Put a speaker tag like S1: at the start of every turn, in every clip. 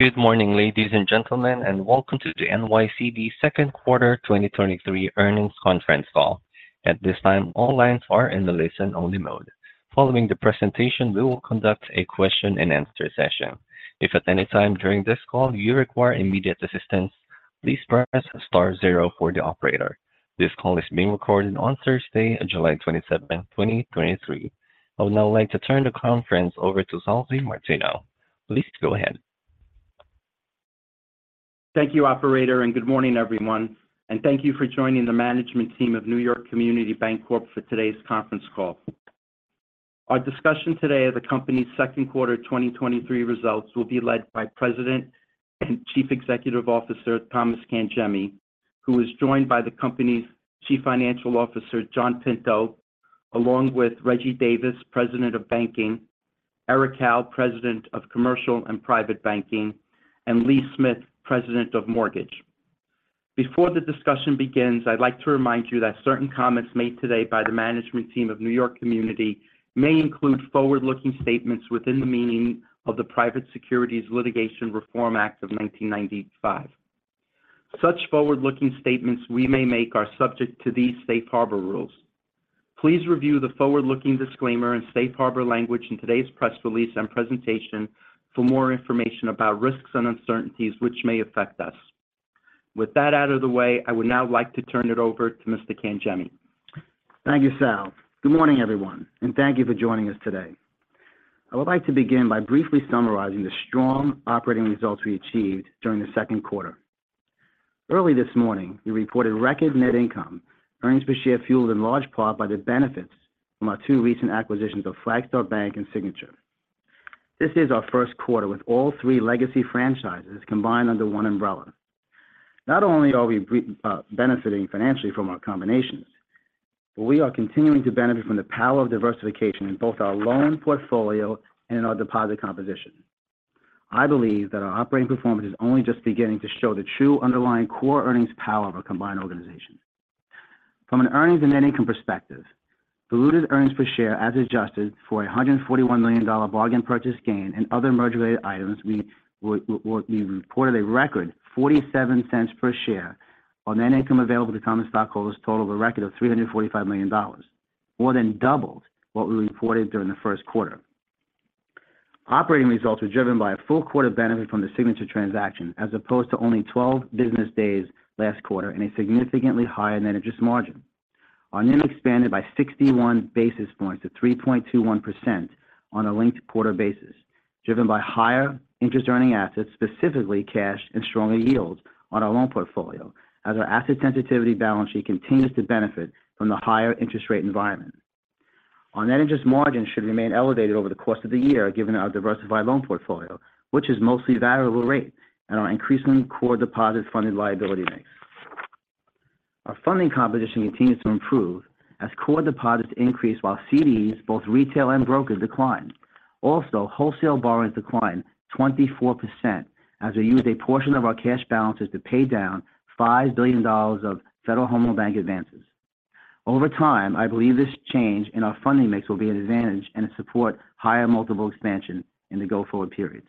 S1: Good morning, ladies and gentlemen, welcome to the NYCB second quarter 2023 earnings conference call. At this time, all lines are in the listen-only mode. Following the presentation, we will conduct a question-and-answer session. If at any time during this call you require immediate assistance, please press star zero for the operator. This call is being recorded on Thursday, July 27th, 2023. I would now like to turn the conference over to Sal DiMartino. Please go ahead.
S2: Thank you, operator, and good morning, everyone, and thank you for joining the management team of New York Community Bancorp for today's conference call. Our discussion today of the company's second quarter 2023 results will be led by President and Chief Executive Officer Thomas Cangemi, who is joined by the company's Chief Financial Officer John Pinto, along with Reggie Davis, President of Banking, Eric Howell, President of Commercial and Private Banking, and Lee Smith, President of Mortgage. Before the discussion begins, I'd like to remind you that certain comments made today by the management team of New York Community may include forward-looking statements within the meaning of the Private Securities Litigation Reform Act of 1995. Such forward-looking statements we may make are subject to these safe harbor rules. Please review the forward-looking disclaimer and safe harbor language in today's press release and presentation for more information about risks and uncertainties which may affect us. With that out of the way, I would now like to turn it over to Mr. Cangemi.
S3: Thank you, Sal. Good morning, everyone. Thank you for joining us today. I would like to begin by briefly summarizing the strong operating results we achieved during the second quarter. Early this morning, we reported record net income, earnings per share fueled in large part by the benefits from our two recent acquisitions of Flagstar Bank and Signature. This is our first quarter with all three legacy franchises combined under one umbrella. Not only are we benefiting financially from our combinations, we are continuing to benefit from the power of diversification in both our loan portfolio and in our deposit composition. I believe that our operating performance is only just beginning to show the true underlying core earnings power of our combined organization. From an earnings and net income perspective, diluted earnings per share as adjusted for a $141 million bargain purchase gain and other merger-related items, we reported a record $0.47 per share on net income available to common stockholders, total of a record of $345 million. More than double what we reported during the first quarter. Operating results were driven by a full quarter benefit from the Signature transaction, as opposed to only 12 business days last quarter and a significantly higher net interest margin. Our NIM expanded by 61 basis points to 3.21% on a linked quarter basis, driven by higher interest earning assets, specifically cash and stronger yields on our loan portfolio, as our asset sensitivity balance sheet continues to benefit from the higher interest rate environment. Our net interest margin should remain elevated over the course of the year, given our diversified loan portfolio, which is mostly variable rate and our increasingly core deposit funded liability mix. Our funding composition continues to improve as core deposits increase, while CDs, both retail and broker, decline. Wholesale borrowings declined 24% as we used a portion of our cash balances to pay down $5 billion of Federal Home Loan Bank advances. Over time, I believe this change in our funding mix will be an advantage and support higher multiple expansion in the go-forward periods.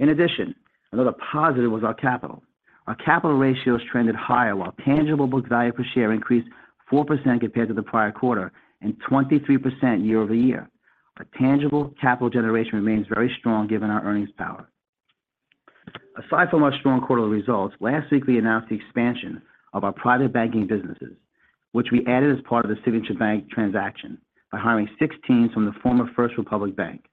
S3: Another positive was our capital. Our capital ratios trended higher, while tangible book value per share increased 4% compared to the prior quarter and 23% year-over-year. Our tangible capital generation remains very strong given our earnings power. Aside from our strong quarterly results, last week, we announced the expansion of our private banking businesses, which we added as part of the Signature Bank transaction by hiring six teams from the former First Republic Bank.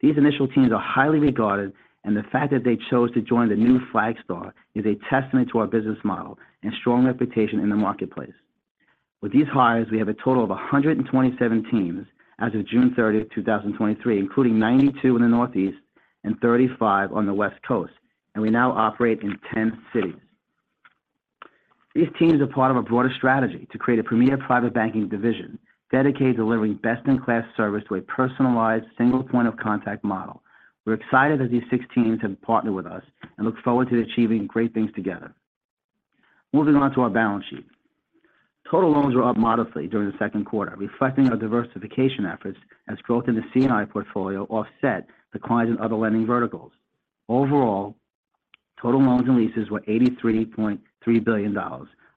S3: These initial teams are highly regarded, and the fact that they chose to join the new Flagstar is a testament to our business model and strong reputation in the marketplace. With these hires, we have a total of 127 teams as of June 30th, 2023, including 92 in the Northeast and 35 on the West Coast, and we now operate in 10 cities. These teams are part of a broader strategy to create a premier private banking division dedicated to delivering best-in-class service to a personalized single point of contact model. We're excited that these six teams have partnered with us and look forward to achieving great things together. Moving on to our balance sheet. Total loans were up modestly during the second quarter, reflecting our diversification efforts as growth in the C&I portfolio offset declines in other lending verticals. Overall, total loans and leases were $83.3 billion,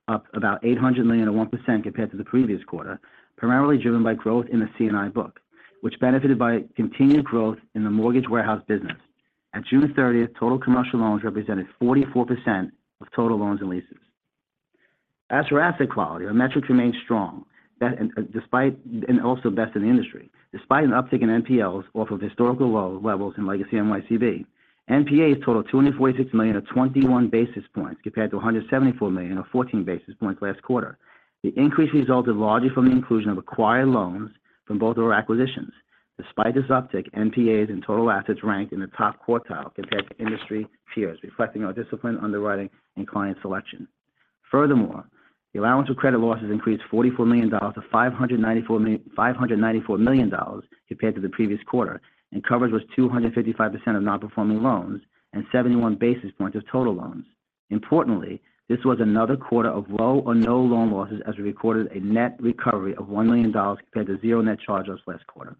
S3: up about $800 million, or 1% compared to the previous quarter, primarily driven by growth in the C&I book, which benefited by continued growth in the mortgage warehouse business. At June 30th, total commercial loans represented 44% of total loans and leases. As for asset quality, our metrics remain strong, that and despite and also best in the industry. Despite an uptick in NPLs off of historical low levels in legacy NYCB, NPAs totaled $246 million or 21 basis points, compared to $174 million or 14 basis points last quarter. The increase resulted largely from the inclusion of acquired loans from both our acquisitions. Despite this uptick, NPAs and total assets ranked in the top quartile compared to industry peers, reflecting our disciplined underwriting and client selection. Furthermore, the allowance for credit losses increased $44 million-$594 million compared to the previous quarter, and coverage was 255% of non-performing loans and 71 basis points of total loans. Importantly, this was another quarter of low or no loan losses, as we recorded a net recovery of $1 million compared to zero net charge-offs last quarter.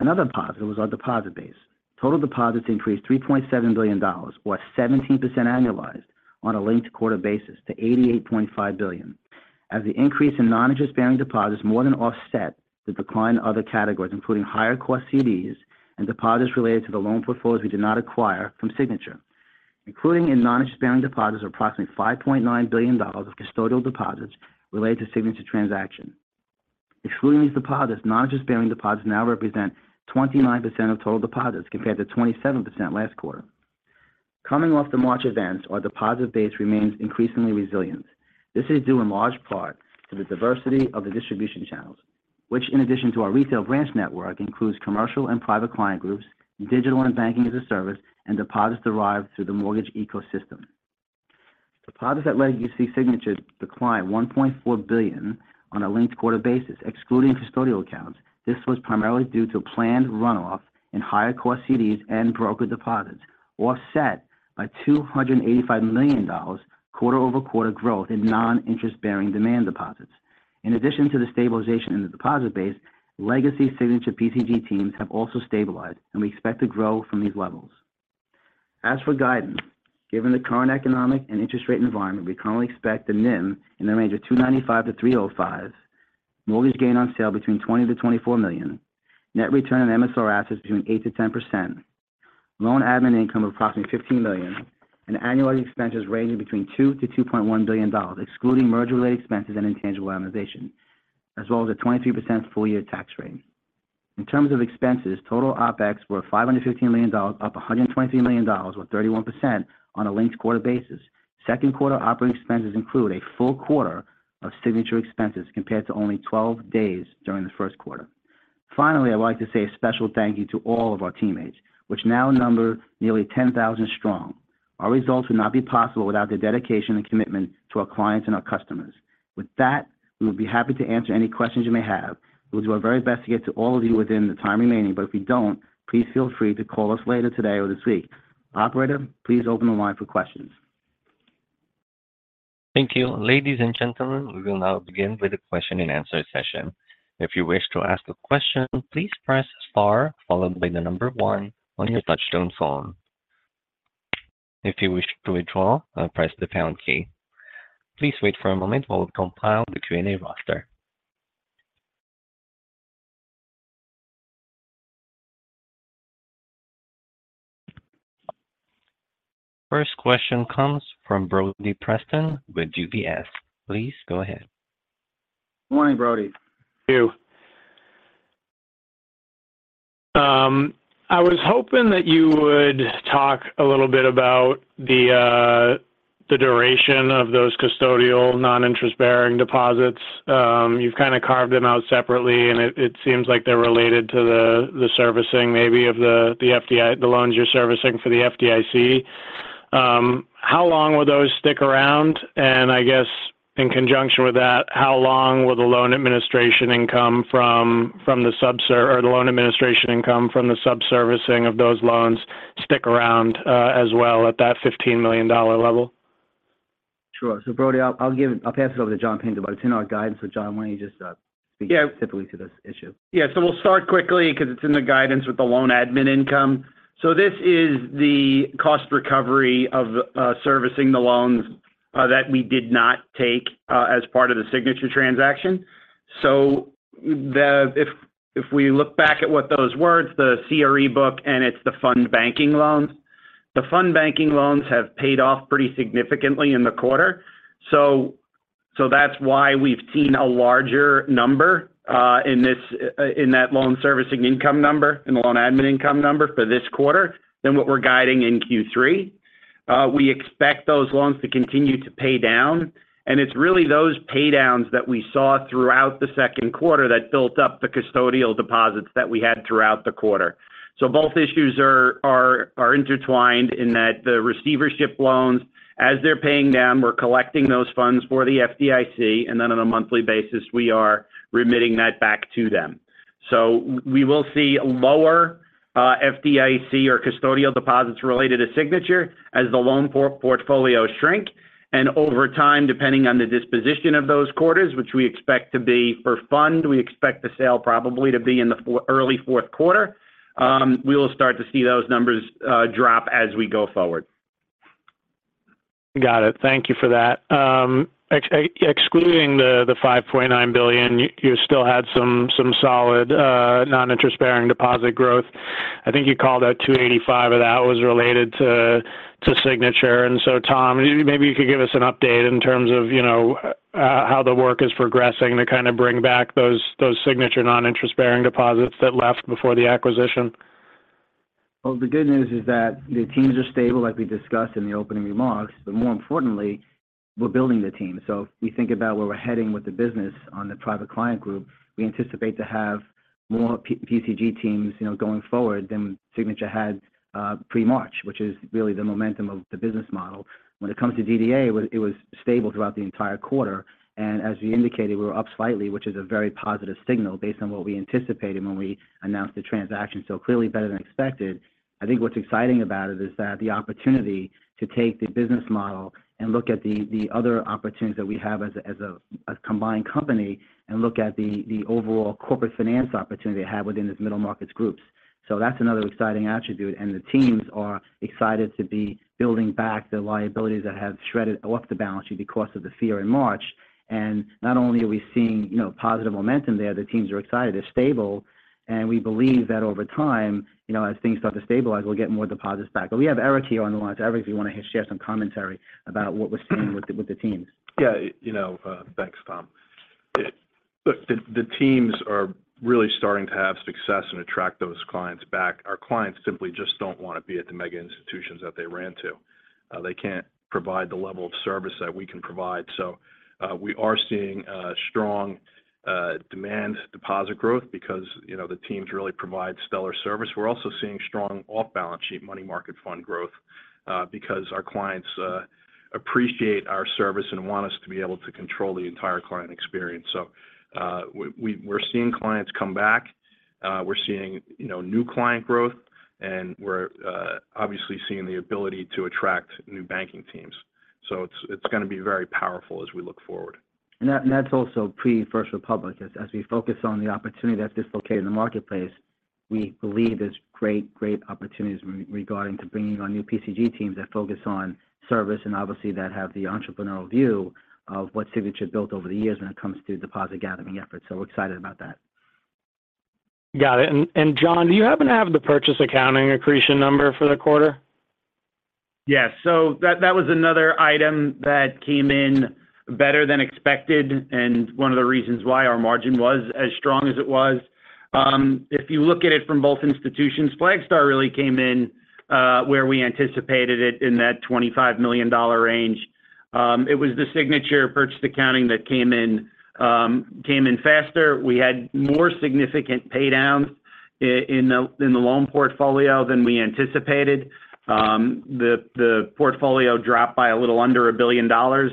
S3: Another positive was our deposit base. Total deposits increased $3.7 billion, or 17% annualized on a linked quarter basis to $88.5 billion. The increase in non-interest-bearing deposits more than offset the decline in other categories, including higher cost CDs and deposits related to the loan portfolios we did not acquire from Signature. Including in non-interest-bearing deposits, approximately $5.9 billion of custodial deposits related to Signature transaction. Excluding these deposits, non-interest-bearing deposits now represent 29% of total deposits, compared to 27% last quarter. Coming off the March events, our deposit base remains increasingly resilient. This is due in large part to the diversity of the distribution channels, which, in addition to our retail branch network, includes commercial and private client groups, digital and Banking-as-a-Service, and deposits derived through the mortgage ecosystem. Deposits at Legacy Signature declined $1.4 billion on a linked quarter basis, excluding custodial accounts. This was primarily due to planned runoff in higher cost CDs and broker deposits, offset by $285 million quarter-over-quarter growth in non-interest-bearing demand deposits. In addition to the stabilization in the deposit base, legacy Signature PCG teams have also stabilized, and we expect to grow from these levels. As for guidance, given the current economic and interest rate environment, we currently expect the NIM in the range of 2.95% to 3.05%, mortgage gain on sale between $20 million-$24 million, net return on MSR assets between 8%-10%, loan admin income of approximately $15 million, and annualized expenses ranging between $2 billion-$2.1 billion, excluding merger-related expenses and intangible amortization, as well as a 23% full-year tax rate. In terms of expenses, total OpEx were $515 million, up $123 million, or 31% on a linked quarter basis. Second quarter operating expenses include a full quarter of Signature expenses, compared to only 12 days during the first quarter. I'd like to say a special thank you to all of our teammates, which now number nearly 10,000 strong. Our results would not be possible without the dedication and commitment to our clients and our customers. We will be happy to answer any questions you may have. We'll do our very best to get to all of you within the time remaining, but if we don't, please feel free to call us later today or this week. Operator, please open the line for questions.
S1: Thank you. Ladies and gentlemen, we will now begin with the question-and-answer session. If you wish to ask a question, please press star followed by one on your touchtone phone. If you wish to withdraw, press the pound key. Please wait for a moment while we compile the Q&A roster. First question comes from Brody Preston with UBS. Please go ahead.
S3: Morning, Brody.
S4: Thank you. I was hoping that you would talk a little bit about the duration of those custodial non-interest-bearing deposits. You've kind of carved them out separately, and it seems like they're related to the loans you're servicing for the FDIC. How long will those stick around? I guess, in conjunction with that, how long will the loan administration income from the sub-servicing of those loans stick around as well at that $15 million level?
S3: Sure. Brody, I'll pass it over to John Pinto, but it's in our guidance. John, why don't you just speak specifically to this issue?
S5: Yeah. We'll start quickly because it's in the guidance with the loan admin income. This is the cost recovery of servicing the loans that we did not take as part of the Signature transaction. If we look back at what those were, it's the CRE book, and it's the fund banking loans. The fund banking loans have paid off pretty significantly in the quarter, that's why we've seen a larger number in this in that loan servicing income number and loan admin income number for this quarter than what we're guiding in Q3. We expect those loans to continue to pay down, and it's really those pay downs that we saw throughout the second quarter that built up the custodial deposits that we had throughout the quarter. Both issues are intertwined in that the receivership loans, as they're paying down, we're collecting those funds for the FDIC, and then on a monthly basis, we are remitting that back to them. We will see lower FDIC or custodial deposits related to Signature as the loan portfolio shrink. Over time, depending on the disposition of those quarters, which we expect to be for fund, we expect the sale probably to be in the early fourth quarter, we will start to see those numbers drop as we go forward.
S4: Got it. Thank you for that. Excluding the $5.9 billion, you still had some solid non-interest-bearing deposit growth. I think you called out $285 of that was related to Signature. Tom, maybe you could give us an update in terms of, you know, how the work is progressing to kind of bring back those Signature non-interest-bearing deposits that left before the acquisition.
S3: Well, the good news is that the teams are stable, like we discussed in the opening remarks, but more importantly, we're building the team. If we think about where we're heading with the business on the private client group, we anticipate to have more P-PCG teams, you know, going forward than Signature had pre-March, which is really the momentum of the business model. When it comes to DDA, it was stable throughout the entire quarter. As we indicated, we're up slightly, which is a very positive signal based on what we anticipated when we announced the transaction. Clearly better than expected. I think what's exciting about it is that the opportunity to take the business model and look at the, the other opportunities that we have as a, as a, a combined company, and look at the, the overall corporate finance opportunity they have within this middle markets groups. That's another exciting attribute, and the teams are excited to be building back the liabilities that have shredded off the balance sheet because of the fear in March. Not only are we seeing, you know, positive momentum there, the teams are excited, they're stable, and we believe that over time, you know, as things start to stabilize, we'll get more deposits back. We have Eric here on the line. Eric, if you want to share some commentary about what we're seeing with the, with the teams.
S6: Yeah, you know, thanks, Tom. Look, the teams are really starting to have success and attract those clients back. Our clients simply just don't want to be at the mega institutions that they ran to. They can't provide the level of service that we can provide. We are seeing strong demand deposit growth because, you know, the teams really provide stellar service. We're also seeing strong off-balance sheet money market fund growth because our clients appreciate our service and want us to be able to control the entire client experience. We're seeing clients come back, we're seeing, you know, new client growth, and we're obviously seeing the ability to attract new banking teams. It's, it's gonna be very powerful as we look forward.
S3: That's also pre First Republic. As we focus on the opportunity that's dislocated in the marketplace, we believe there's great opportunities regarding to bringing on new PCG teams that focus on service, and obviously, that have the entrepreneurial view of what Signature built over the years when it comes to deposit gathering efforts. We're excited about that.
S4: Got it. John, do you happen to have the purchase accounting accretion number for the quarter?
S5: Yes. That was another item that came in better than expected, and one of the reasons why our margin was as strong as it was. If you look at it from both institutions, Flagstar really came in, where we anticipated it in that $25 million range. It was the Signature purchase accounting that came in, came in faster. We had more significant pay downs in the loan portfolio than we anticipated. The portfolio dropped by a little under $1 billion due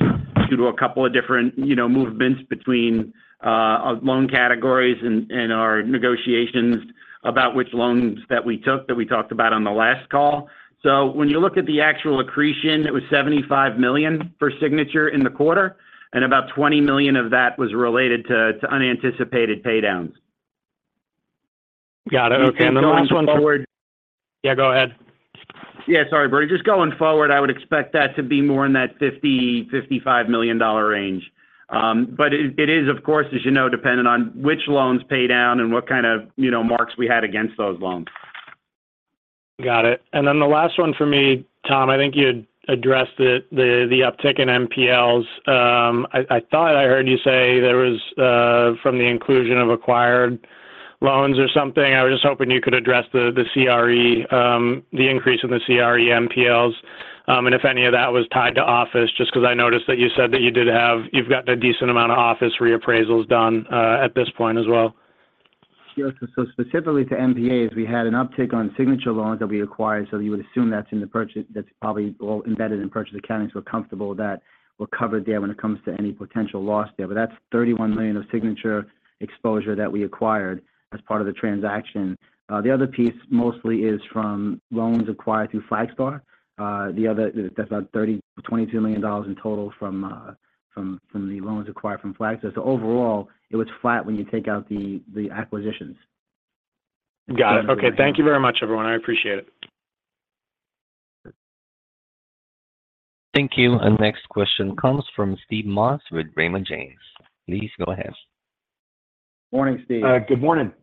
S5: to a couple of different, you know, movements between loan categories and our negotiations about which loans that we took, we talked about on the last call. When you look at the actual accretion, it was $75 million for Signature in the quarter, and about $20 million of that was related to unanticipated pay downs.
S4: Got it. Okay, the last one-
S5: Going forward.
S4: Yeah, go ahead.
S5: Yeah, sorry, Brody. Just going forward, I would expect that to be more in that $50 million-$55 million range. It is, of course, as you know, dependent on which loans pay down and what kind of, you know, marks we had against those loans.
S4: Got it. The last one for me, Tom, I think you had addressed it, the uptick in NLPs. I, I thought I heard you say there was from the inclusion of acquired loans or something, I was just hoping you could address the CRE, the increase in the CRE NLPs, and if any of that was tied to office, just because I noticed that you said that you've got a decent amount of office reappraisals done at this point as well.
S3: Yes, specifically to NPAs, we had an uptick on Signature loans that we acquired. You would assume that's in the purchase accounting, so we're comfortable that we're covered there when it comes to any potential loss there. That's $31 million of Signature exposure that we acquired as part of the transaction. The other piece mostly is from loans acquired through Flagstar. That's about $22 million in total from the loans acquired from Flagstar. Overall, it was flat when you take out the acquisitions.
S4: Got it. Okay. Thank you very much, everyone. I appreciate it.
S1: Thank you. Next question comes from Steve Moss with Raymond James. Please go ahead.
S3: Morning, Steve.
S7: Good morning.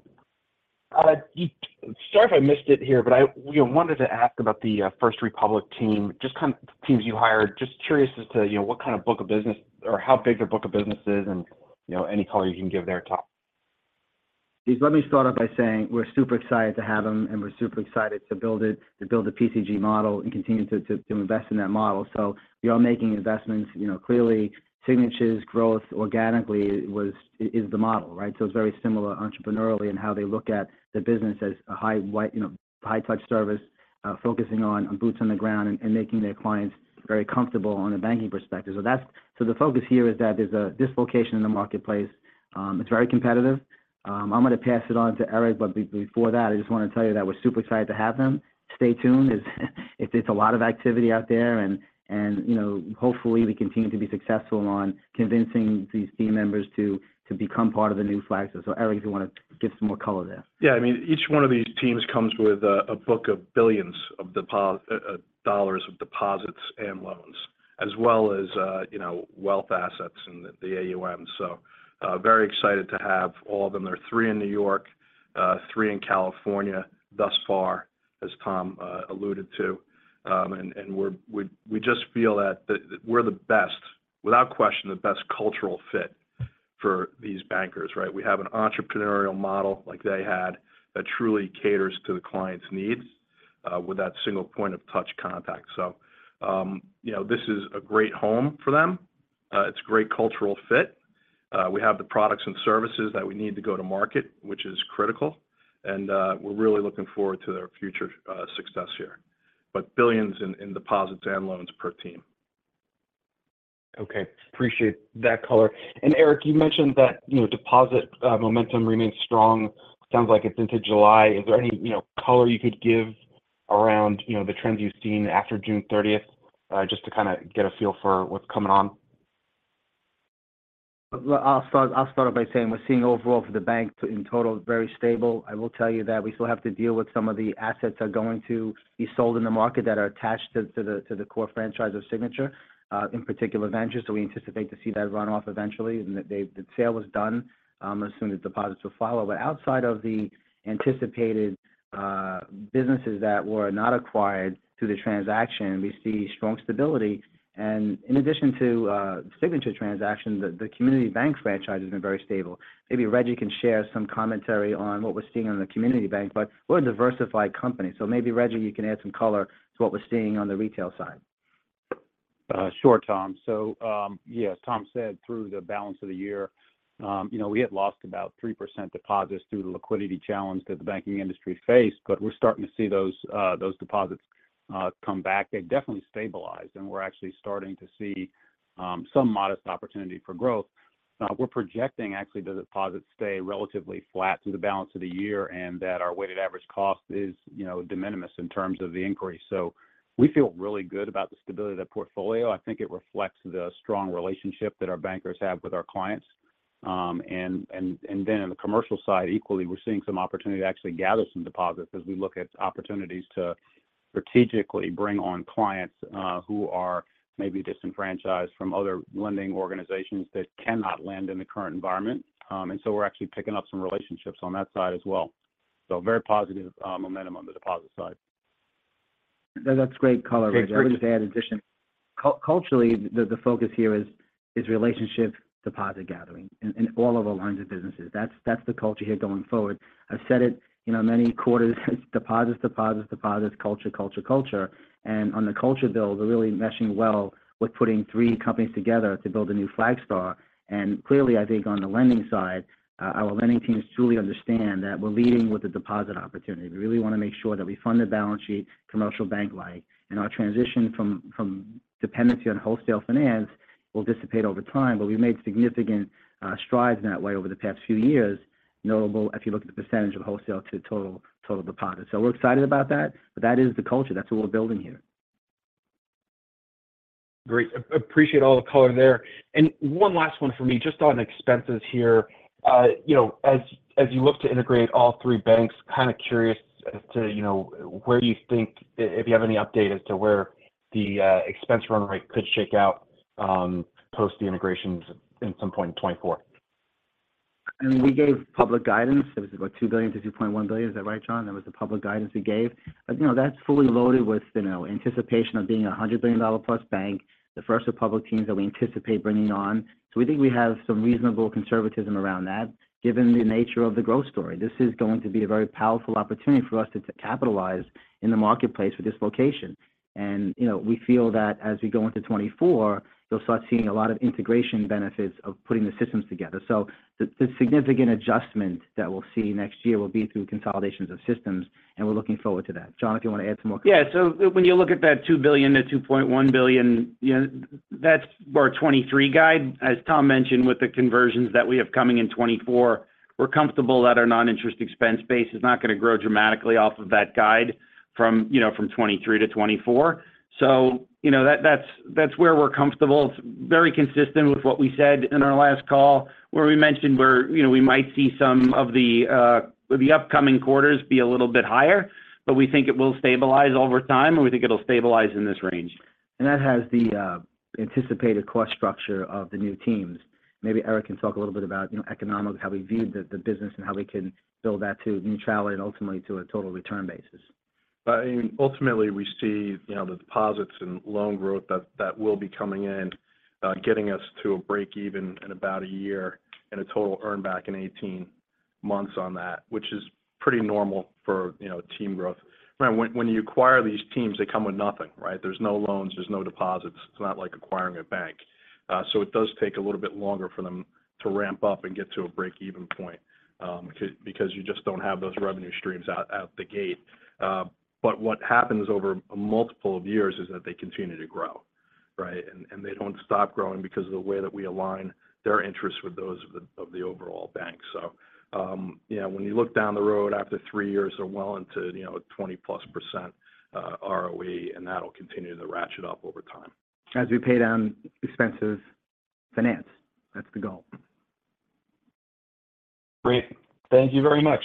S7: Sorry if I missed it here, but I, you know, wanted to ask about the First Republic team, just kind of the teams you hired. Just curious as to, you know, what kind of book of business or how big their book of business is, and, you know, any color you can give there, Tom?
S3: Steve, let me start off by saying we're super excited to have them, we're super excited to build a PCG model and continue to invest in that model. We are making investments. You know, clearly, Signature's growth organically is the model, right? It's very similar entrepreneurially in how they look at the business as a high white, you know, high touch service, focusing on boots on the ground and making their clients very comfortable on the banking perspective. The focus here is that there's a dislocation in the marketplace, it's very competitive. I'm going to pass it on to Eric, but before that, I just want to tell you that we're super excited to have them. Stay tuned, as it's a lot of activity out there. You know, hopefully, we continue to be successful on convincing these team members to become part of the new Flagstar. Eric, if you want to give some more color there.
S6: Yeah, I mean, each one of these teams comes with a book of billions of dollars of deposits and loans, as well as, you know, wealth assets and the AUM. Very excited to have all of them. There are three in New York, three in California, thus far, as Tom alluded to. And we just feel that we're the best, without question, the best cultural fit for these bankers, right? We have an entrepreneurial model like they had, that truly caters to the client's needs, with that single point of touch contact. You know, this is a great home for them. It's a great cultural fit. We have the products and services that we need to go to market, which is critical, and we're really looking forward to their future, success here. Billions in deposits and loans per team.
S7: Okay, appreciate that color. Eric, you mentioned that, you know, deposit, momentum remains strong. Sounds like it's into July. Is there any, you know, color you could give around, you know, the trends you've seen after June 30th? Just to kind of get a feel for what's coming on.
S3: I'll start off by saying we're seeing overall for the bank in total, very stable. I will tell you that we still have to deal with some of the assets are going to be sold in the market that are attached to the core franchise of Signature, in particular, Ventures. We anticipate to see that run off eventually, and that the sale is done, as soon as deposits will follow. Outside of the anticipated businesses that were not acquired through the transaction, we see strong stability. In addition to Signature transaction, the community bank's franchise has been very stable. Maybe Reggie can share some commentary on what we're seeing on the community bank, but we're a diversified company. Maybe, Reggie, you can add some color to what we're seeing on the retail side.
S8: Sure, Tom. Yes, as Tom said, through the balance of the year, you know, we had lost about 3% deposits through the liquidity challenge that the banking industry faced. We're starting to see those, those deposits come back. They've definitely stabilized, and we're actually starting to see some modest opportunity for growth. We're projecting actually, the deposits stay relatively flat through the balance of the year, and that our weighted average cost is, you know, de minimis in terms of the inquiry. We feel really good about the stability of that portfolio. I think it reflects the strong relationship that our bankers have with our clients. On the commercial side, equally, we're seeing some opportunity to actually gather some deposits as we look at opportunities to strategically bring on clients who are maybe disenfranchised from other lending organizations that cannot lend in the current environment. We're actually picking up some relationships on that side as well. Very positive momentum on the deposit side.
S7: That's great color, Reggie.
S8: Hey, Tom,
S3: Just to add addition. Culturally, the focus here is relationship deposit gathering in all of our lines of businesses. That's the culture here going forward. I've said it, you know, many quarters, deposits, deposits, deposits, culture, culture, culture. On the culture build, we're really meshing well with putting three companies together to build a new Flagstar. Clearly, I think on the lending side, our lending teams truly understand that we're leading with a deposit opportunity. We really want to make sure that we fund the balance sheet, commercial bank-like, and our transition from dependency on wholesale finance will dissipate over time. We've made significant strides in that way over the past few years. Notable, if you look at the percentage of wholesale to total deposits. We're excited about that, but that is the culture. That's what we're building here.
S7: Great. Appreciate all the color there. One last one for me, just on expenses here. you know, as you look to integrate all three banks, kind of curious as to, you know, where you think if you have any update as to where the expense run rate could shake out, post the integrations at some point in 2024?
S3: I mean, we gave public guidance. It was about $2 billion-$2.1 billion. Is that right, John? That was the public guidance we gave. You know, that's fully loaded with, you know, anticipation of being a $100 billion plus bank, the First Republic teams that we anticipate bringing on. We think we have some reasonable conservatism around that, given the nature of the growth story. This is going to be a very powerful opportunity for us to capitalize in the marketplace for this location. You know, we feel that as we go into 2024, you'll start seeing a lot of integration benefits of putting the systems together. The significant adjustment that we'll see next year will be through consolidations of systems, and we're looking forward to that. John, if you want to add some more?
S5: Yeah, when you look at that $2 billion-$2.1 billion, you know, that's our 2023 guide. As Tom mentioned, with the conversions that we have coming in 2024, we're comfortable that our non-interest expense base is not going to grow dramatically off of that guide from, you know, from 2023 to 2024. You know, that's where we're comfortable. It's very consistent with what we said in our last call, where we mentioned where, you know, we might see some of the upcoming quarters be a little bit higher, but we think it will stabilize over time, and we think it'll stabilize in this range.
S3: That has the anticipated cost structure of the new teams. Maybe Eric can talk a little bit about, you know, economics, how we view the business and how we can build that to neutrality and ultimately to a total return basis.
S6: I mean, ultimately, we see, you know, the deposits and loan growth that will be coming in, getting us to a break even in about a year and a total earn back in 18 months on that, which is pretty normal for, you know, team growth. When you acquire these teams, they come with nothing, right? There's no loans, there's no deposits. It's not like acquiring a bank. It does take a little bit longer for them to ramp up and get to a break-even point because you just don't have those revenue streams out the gate. What happens over a multiple of years is that they continue to grow, right? They don't stop growing because of the way that we align their interests with those of the overall bank. You know, when you look down the road, after three years, they're well into, you know, 20%+, ROE, and that'll continue to ratchet up over time.
S3: As we pay down expenses, finance, that's the goal.
S7: Great. Thank you very much.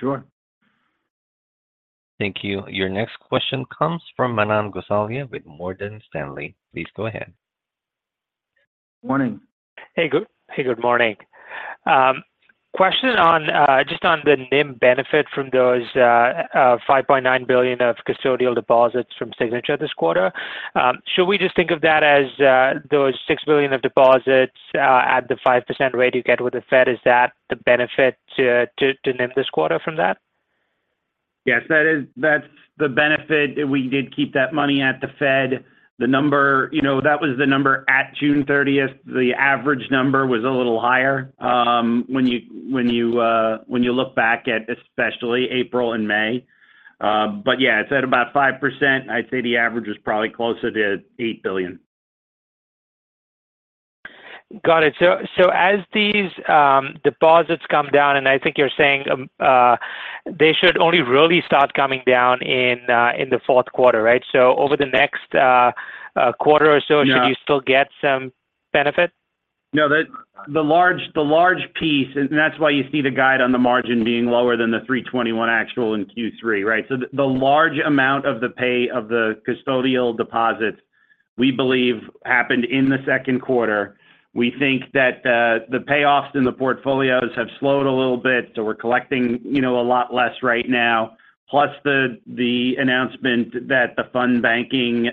S3: Sure.
S1: Thank you. Your next question comes from Manan Gosalia with Morgan Stanley. Please go ahead.
S3: Morning.
S9: Hey, good morning. Question on just on the NIM benefit from those $5.9 billion of custodial deposits from Signature this quarter. Should we just think of that as those $6 billion of deposits at the 5% rate you get with the Fed? Is that the benefit to NIM this quarter from that?
S5: Yes, that's the benefit, we did keep that money at the Fed. The number, you know, that was the number at June 30th. The average number was a little higher, when you look back at especially April and May. Yeah, it's at about 5%. I'd say the average is probably closer to $8 billion.
S9: Got it. As these deposits come down, I think you're saying, they should only really start coming down in the fourth quarter, right? Over the next quarter or so.
S5: Yeah
S9: should you still get some benefit?
S5: No, the large piece. That's why you see the guide on the margin being lower than the 321 actual in Q3, right? The large amount of the pay of the custodial deposits, we believe happened in the second quarter. We think that the payoffs in the portfolios have slowed a little bit, so we're collecting, you know, a lot less right now. Plus the announcement that the fund banking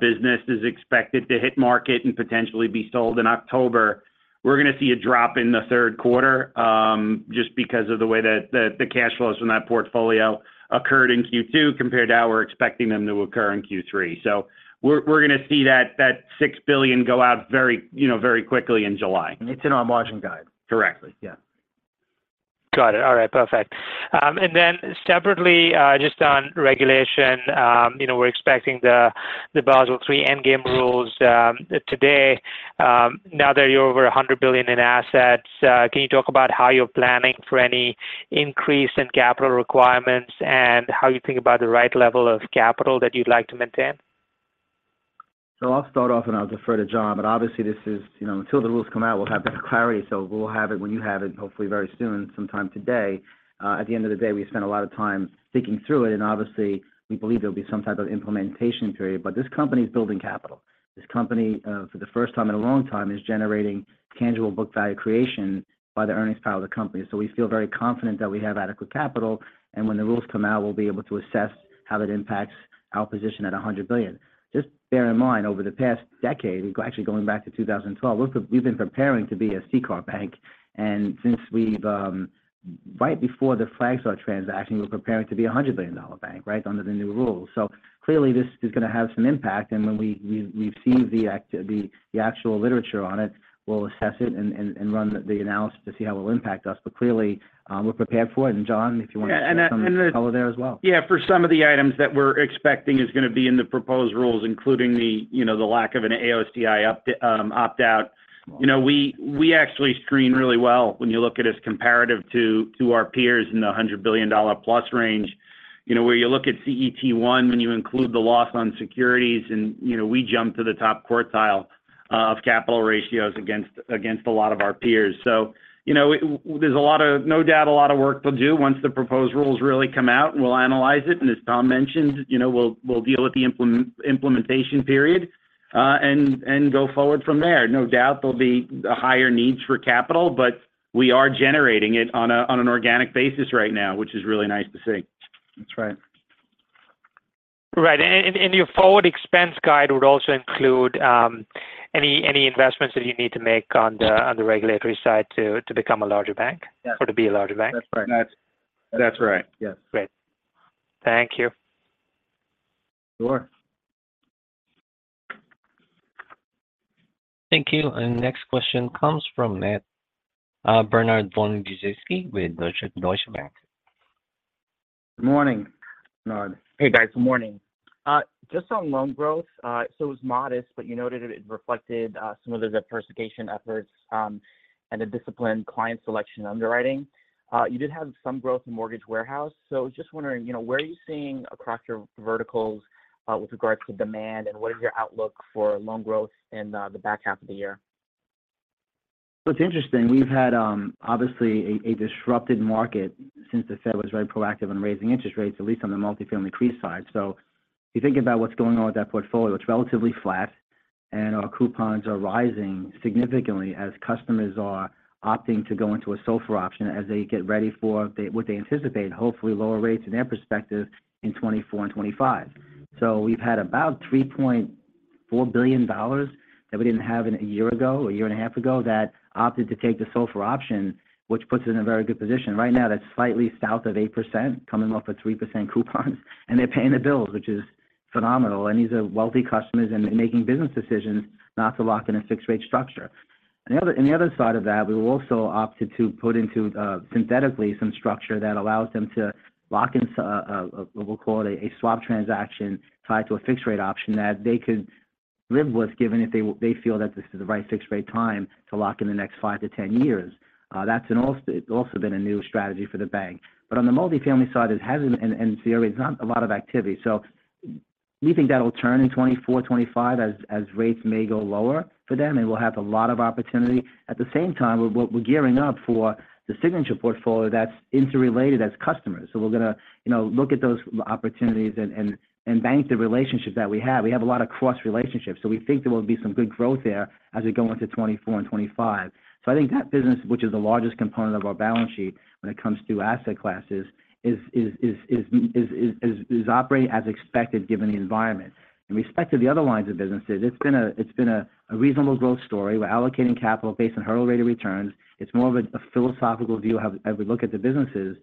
S5: business is expected to hit market and potentially be sold in October. We're going to see a drop in the third quarter just because of the way that the cash flows from that portfolio occurred in Q2, compared to how we're expecting them to occur in Q3. We're going to see that, that $6 billion go out very, you know, very quickly in July.
S3: It's in our margin guide.
S5: Correctly. Yeah.
S9: Got it. All right, perfect. Separately, just on regulation, you know, we're expecting the Basel III endgame rules today. Now that you're over 100 billion in assets, can you talk about how you're planning for any increase in capital requirements and how you think about the right level of capital that you'd like to maintain?
S3: I'll start off and I'll defer to John, obviously this is, you know, until the rules come out, we'll have better clarity, we'll have it when you have it, hopefully very soon, sometime today. At the end of the day, we spent a lot of time thinking through it, and obviously, we believe there'll be some type of implementation period. This company is building capital. This company, for the first time in a long time, is generating tangible book value creation by the earnings power of the company. We feel very confident that we have adequate capital, and when the rules come out, we'll be able to assess how that impacts our position at $100 billion. Just bear in mind, over the past decade, actually going back to 2012, we've been preparing to be a CCAR bank. Since we've Right before the Flagstar transaction, we were preparing to be a $100 billion bank, right? Under the new rules. Clearly, this is going to have some impact, and when we've seen the actual literature on it, we'll assess it and run the analysis to see how it will impact us. Clearly, we're prepared for it. John, if you want to...
S5: Yeah.
S3: Add some color there as well.
S5: Yeah, for some of the items that we're expecting is going to be in the proposed rules, including the, you know, the lack of an AOCI up, opt-out. You know, we, we actually screen really well when you look at us comparative to our peers in the $100 billion plus range. You know, where you look at CET1, when you include the loss on securities and, you know, we jump to the top quartile of capital ratios against a lot of our peers. no doubt, a lot of work to do once the proposed rules really come out, and we'll analyze it. As Tom mentioned, you know, we'll, we'll deal with the implementation period, and go forward from there. No doubt there'll be a higher needs for capital. We are generating it on an organic basis right now, which is really nice to see.
S3: That's right.
S9: Right. Your forward expense guide would also include any investments that you need to make on the regulatory side to become a larger bank?
S3: Yeah.
S9: To be a larger bank.
S3: That's right.
S5: That's right. Yes.
S9: Great. Thank you.
S3: Sure.
S1: Thank you. Next question comes from Bernard von Gizycki with Deutsche Bank.
S10: Morning, Bernard. Hey, guys, morning. Just on loan growth, it's modest, but you noted it reflected some of the diversification efforts and the disciplined client selection underwriting. You did have some growth in mortgage warehouse, just wondering, you know, where are you seeing across your verticals with regards to demand, and what is your outlook for loan growth in the back half of the year?
S3: It's interesting. We've had, obviously a disrupted market since the Fed was very proactive in raising interest rates, at least on the multifamily pre side. If you think about what's going on with that portfolio, it's relatively flat, and our coupons are rising significantly as customers are opting to go into a SOFR option as they get ready for what they anticipate, hopefully lower rates in their perspective in 2024 and 2025. We've had about $3.4 billion that we didn't have in a year ago, a year and a half ago, that opted to take the SOFR option, which puts us in a very good position. Right now, that's slightly south of 8%, coming off a 3% coupon, and they're paying the bills, which is phenomenal. These are wealthy customers, and they're making business decisions not to lock in a fixed rate structure. The other side of that, we've also opted to put into synthetically some structure that allows them to lock into, we'll call it a swap transaction tied to a fixed rate option that they could live with, given if they feel that this is the right fixed rate time to lock in the next five to 10 years. That's also been a new strategy for the bank. On the multifamily side, it hasn't, and there is not a lot of activity. We think that will turn in 2024, 2025, as rates may go lower for them, and we'll have a lot of opportunity. At the same time, we're gearing up for the Signature portfolio that's interrelated as customers. We're going to, you know, look at those opportunities and bank the relationships that we have. We have a lot of cross relationships. We think there will be some good growth there as we go into 2024 and 2025. I think that business, which is the largest component of our balance sheet when it comes to asset classes, is operating as expected, given the environment. In respect to the other lines of businesses, it's been a reasonable growth story. We're allocating capital based on hurdle rate of returns. It's more of a philosophical view how, as we look at the businesses.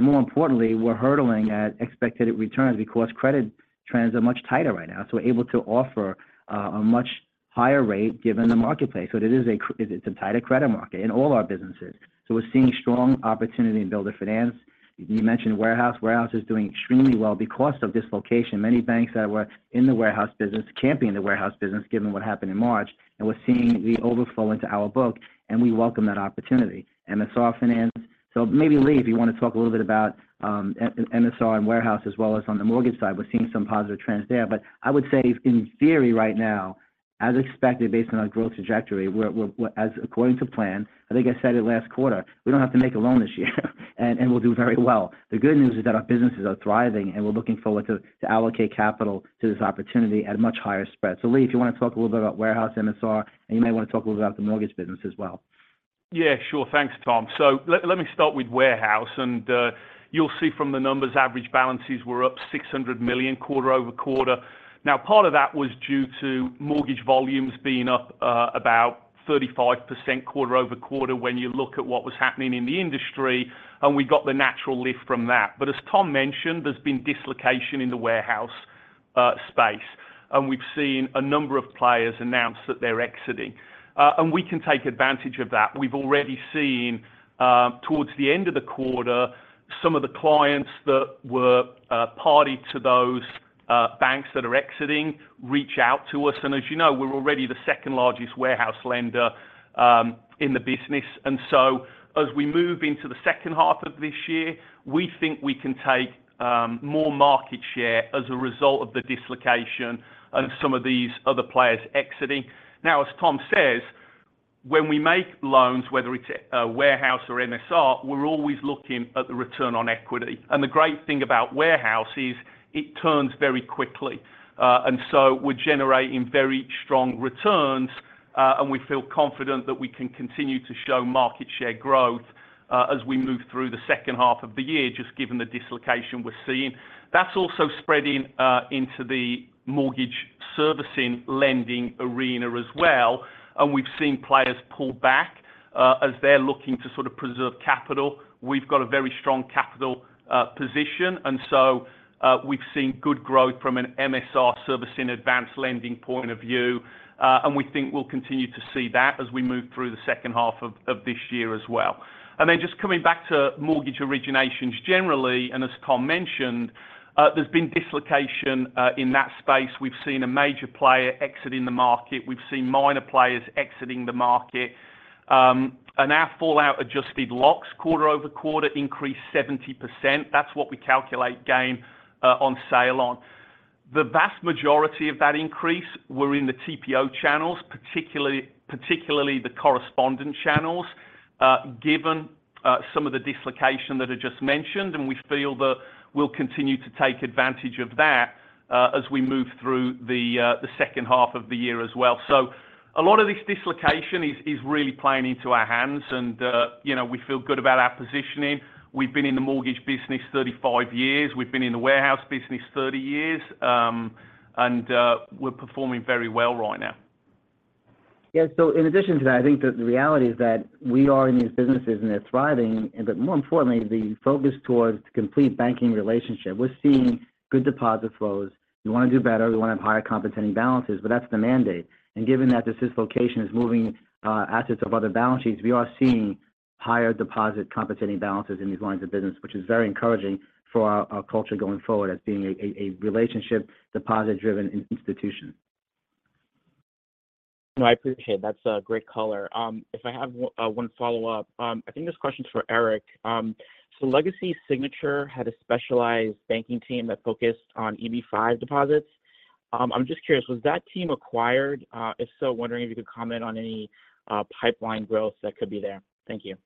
S3: More importantly, we're hurdling at expected returns because credit trends are much tighter right now. We're able to offer a higher rate given the marketplace. It's a tighter credit market in all our businesses. We're seeing strong opportunity in Builder Finance. You mentioned warehouse. Warehouse is doing extremely well because of dislocation. Many banks that were in the warehouse business can't be in the warehouse business, given what happened in March, and we're seeing the overflow into our book, and we welcome that opportunity. MSR Finance, maybe, Lee, if you want to talk a little bit about MSR and warehouse, as well as on the mortgage side. We're seeing some positive trends there. I would say in theory right now, as expected based on our growth trajectory, we're as according to plan, I think I said it last quarter, we don't have to make a loan this year, and we'll do very well. The good news is that our businesses are thriving, and we're looking forward to allocate capital to this opportunity at a much higher spread. Lee, if you want to talk a little bit about warehouse MSR, and you may want to talk a little about the mortgage business as well.
S11: Yeah, sure. Thanks, Tom. Let me start with warehouse, and you'll see from the numbers, average balances were up $600 million quarter-over-quarter. Part of that was due to mortgage volumes being up about 35% quarter-over-quarter when you look at what was happening in the industry, and we got the natural lift from that. As Tom mentioned, there's been dislocation in the warehouse space, and we've seen a number of players announce that they're exiting. We can take advantage of that. We've already seen towards the end of the quarter, some of the clients that were party to those banks that are exiting reach out to us, and as you know, we're already the second-largest warehouse lender in the business. As we move into the second half of this year, we think we can take more market share as a result of the dislocation and some of these other players exiting. Now, as Tom says, when we make loans, whether it's a warehouse or MSR, we're always looking at the return on equity. The great thing about warehouse is it turns very quickly. We're generating very strong returns, and we feel confident that we can continue to show market share growth as we move through the second half of the year, just given the dislocation we're seeing. That's also spreading into the mortgage servicing lending arena as well, and we've seen players pull back as they're looking to sort of preserve capital. We've got a very strong capital position. We've seen good growth from an MSR servicing advanced lending point of view, and we think we'll continue to see that as we move through the second half of this year as well. Just coming back to mortgage originations generally, as Tom mentioned, there's been dislocation in that space. We've seen a major player exiting the market. We've seen minor players exiting the market. Our fallout-adjusted locks quarter-over-quarter increased 70%. That's what we calculate gain on sale on. The vast majority of that increase were in the TPO channels, particularly the correspondent channels, given some of the dislocation that I just mentioned, and we feel that we'll continue to take advantage of that as we move through the second half of the year as well. A lot of this dislocation is really playing into our hands, and, you know, we feel good about our positioning. We've been in the mortgage business 35 years. We've been in the warehouse business 30 years. We're performing very well right now.
S3: Yeah, in addition to that, I think the reality is that we are in these businesses, and they're thriving, and but more importantly, the focus towards complete banking relationship. We're seeing good deposit flows. We want to do better. We want to have higher compensating balances, but that's the mandate. Given that this dislocation is moving assets of other balance sheets, we are seeing higher deposit compensating balances in these lines of business, which is very encouraging for our culture going forward as being a relationship deposit-driven institution.
S10: No, I appreciate it. That's a great color. If I have one follow-up. I think this question is for Eric. Legacy Signature had a specialized banking team that focused on EB-5 deposits. I'm just curious, was that team acquired? If so, wondering if you could comment on any pipeline growth that could be there? Thank you.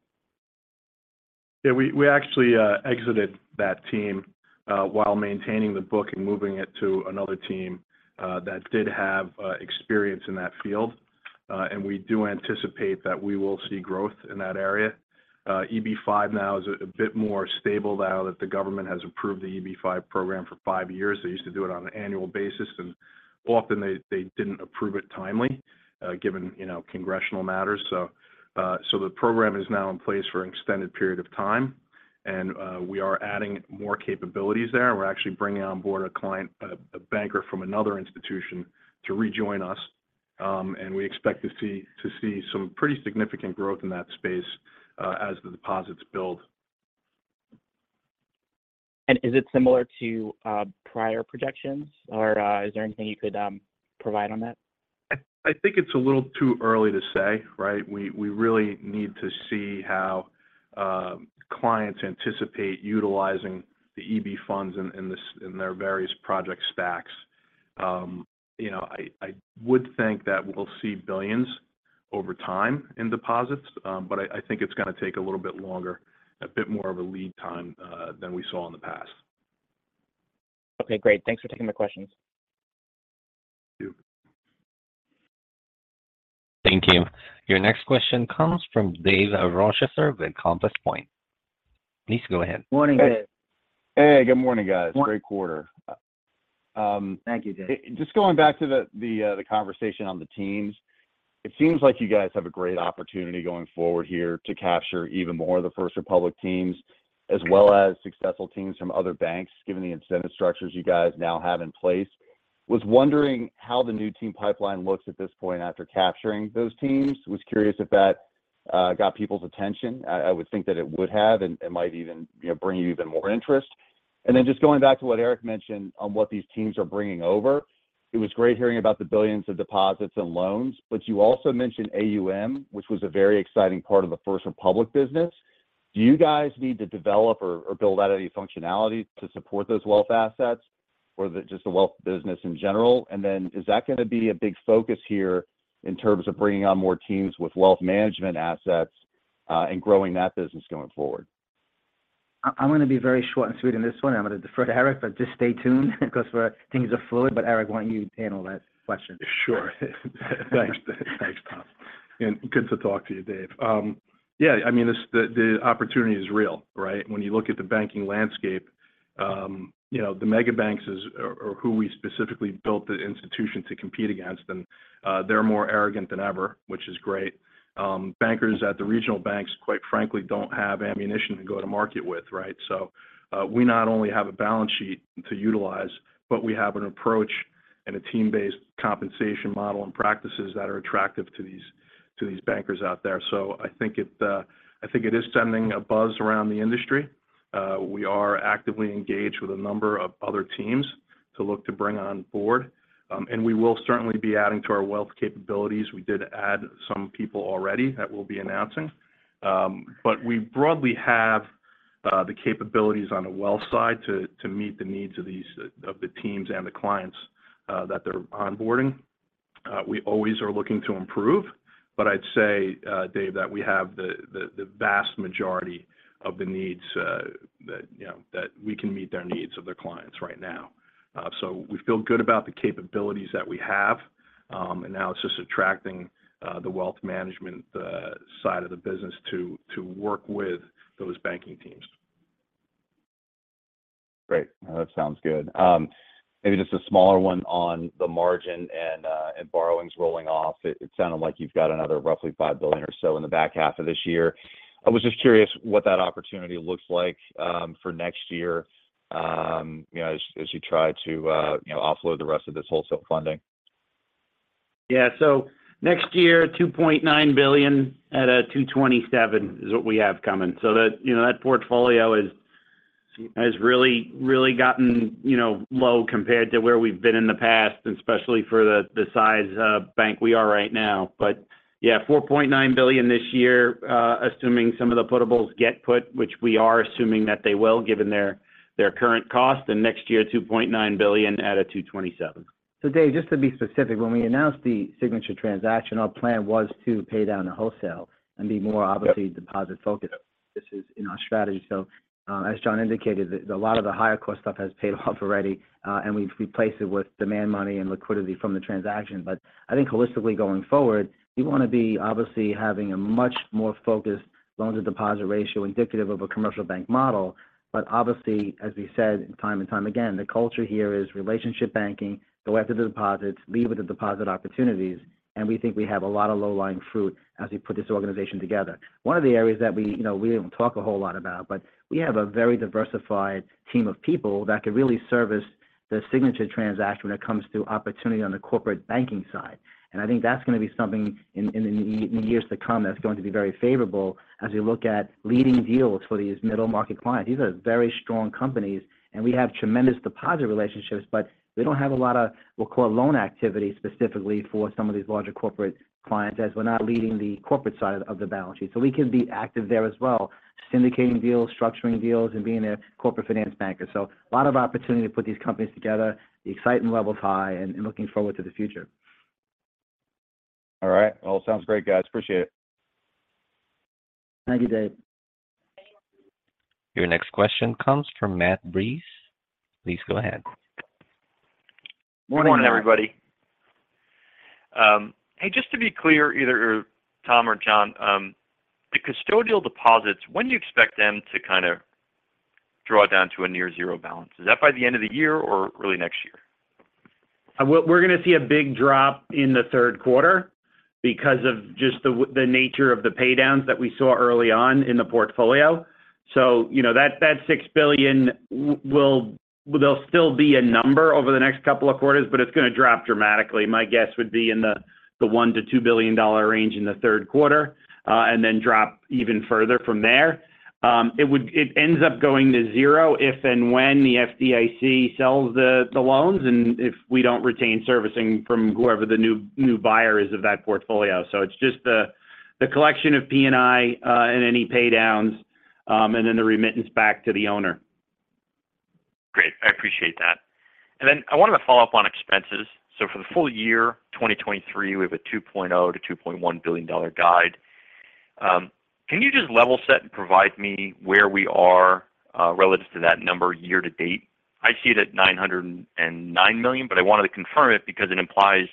S6: Yeah, we actually exited that team while maintaining the book and moving it to another team that did have experience in that field. We do anticipate that we will see growth in that area. EB-5 now is a bit more stable now that the government has approved the EB-5 program for five years. They used to do it on an annual basis, and often they didn't approve it timely, given, you know, congressional matters. The program is now in place for an extended period of time, and we are adding more capabilities there. We're actually bringing on board a client, a banker from another institution to rejoin us. We expect to see some pretty significant growth in that space as the deposits build.
S10: Is it similar to, prior projections, or, is there anything you could, provide on that?
S6: I think it's a little too early to say, right? We really need to see how clients anticipate utilizing the EB-5 funds in their various project stacks. You know, I would think that we'll see $ billions over time in deposits, but I think it's gonna take a little bit longer, a bit more of a lead time than we saw in the past.
S10: Okay, great. Thanks for taking the questions.
S6: Thank you.
S1: Thank you. Your next question comes from Dave Rochester of Compass Point. Please go ahead.
S3: Morning, Dave.
S12: Hey, good morning, guys. Great quarter.
S3: Thank you, Dave.
S12: Just going back to the conversation on the teams. It seems like you guys have a great opportunity going forward here to capture even more of the First Republic teams, as well as successful teams from other banks, given the incentive structures you guys now have in place. Was wondering how the new team pipeline looks at this point after capturing those teams? Was curious if that got people's attention. I would think that it would have, and might even, you know, bring you even more interest. Just going back to what Eric mentioned on what these teams are bringing over, it was great hearing about the billions of deposits and loans, but you also mentioned AUM, which was a very exciting part of the First Republic business. Do you guys need to develop or build out any functionality to support those wealth assets, or the just the wealth business in general? Is that gonna be a big focus here in terms of bringing on more teams with wealth management assets, and growing that business going forward?
S3: I'm gonna be very short and sweet in this one. I'm gonna defer to Eric, just stay tuned because things are fluid. Eric, why don't you handle that question?
S6: Sure. Thanks. Thanks, Tom. Good to talk to you, Dave. Yeah, I mean, the opportunity is real, right? When you look at the banking landscape, you know, the mega banks are who we specifically built the institution to compete against, and they're more arrogant than ever, which is great. Bankers at the regional banks, quite frankly, don't have ammunition to go to market with, right? We not only have a balance sheet to utilize, but we have an approach and a team-based compensation model and practices that are attractive to these bankers out there. I think it is sending a buzz around the industry. We are actively engaged with a number of other teams to look to bring on board. We will certainly be adding to our wealth capabilities. We did add some people already that we'll be announcing. We broadly have the capabilities on the wealth side to meet the needs of these, of the teams and the clients that they're onboarding. We always are looking to improve, but I'd say, Dave, that we have the vast majority of the needs that, you know, that we can meet their needs of their clients right now. We feel good about the capabilities that we have, and now it's just attracting the wealth management side of the business to work with those banking teams.
S12: Great. That sounds good. maybe just a smaller one on the margin and borrowings rolling off. It sounded like you've got another roughly $5 billion or so in the back half of this year. I was just curious what that opportunity looks like, for next year, as you try to offload the rest of this wholesale funding.
S5: Next year, $2.9 billion at a 2.27 is what we have coming. That, you know, that portfolio is, has really gotten, you know, low compared to where we've been in the past, especially for the size of bank we are right now. Yeah, $4.9 billion this year, assuming some of the putables get put, which we are assuming that they will, given their current cost, and next year, $2.9 billion at a 2.27.
S3: Dave, just to be specific, when we announced the Signature transaction, our plan was to pay down the wholesale and be.
S5: Yep...
S3: obviously deposit focused. This is in our strategy. As John indicated, a lot of the higher cost stuff has paid off already, and we've replaced it with demand money and liquidity from the transaction. I think holistically going forward, we wanna be obviously having a much more focused loan-to-deposit ratio, indicative of a commercial bank model. Obviously, as we said time and time again, the culture here is relationship banking. Go after the deposits, leave with the deposit opportunities, and we think we have a lot of low-lying fruit as we put this organization together. One of the areas that we, you know, we didn't talk a whole lot about, we have a very diversified team of people that could really service the Signature transaction when it comes to opportunity on the corporate banking side. I think that's gonna be something in the years to come that's going to be very favorable as we look at leading deals for these middle-market clients. These are very strong companies, and we have tremendous deposit relationships, but we don't have a lot of, we'll call it loan activity, specifically for some of these larger corporate clients, as we're now leading the corporate side of the balance sheet. We can be active there as well, syndicating deals, structuring deals, and being a corporate finance banker. A lot of opportunity to put these companies together. The excitement level is high and looking forward to the future.
S12: All right. Well, sounds great, guys. Appreciate it.
S3: Thank you, Dave.
S1: Your next question comes from Matthew Breese. Please go ahead.
S6: Morning, Matt.
S13: Good morning, everybody. Hey, just to be clear, either Tom or John, the custodial deposits, when do you expect them to kind of draw down to a near zero balance? Is that by the end of the year or early next year?
S5: Well, we're gonna see a big drop in the third quarter because of just the nature of the pay downs that we saw early on in the portfolio. You know, that $6 billion there'll still be a number over the next couple of quarters, but it's gonna drop dramatically. My guess would be in the $1 billion-$2 billion range in the third quarter, and then drop even further from there. It ends up going to 0 if and when the FDIC sells the loans and if we don't retain servicing from whoever the new buyer is of that portfolio. It's just the collection of P&I and any pay downs and then the remittance back to the owner.
S13: Great. I appreciate that. I wanted to follow up on expenses. For the full year, 2023, we have a $2.0 billion-$2.1 billion guide. Can you just level set and provide me where we are, relative to that number year to date? I see it at $909 million, but I wanted to confirm it because it implies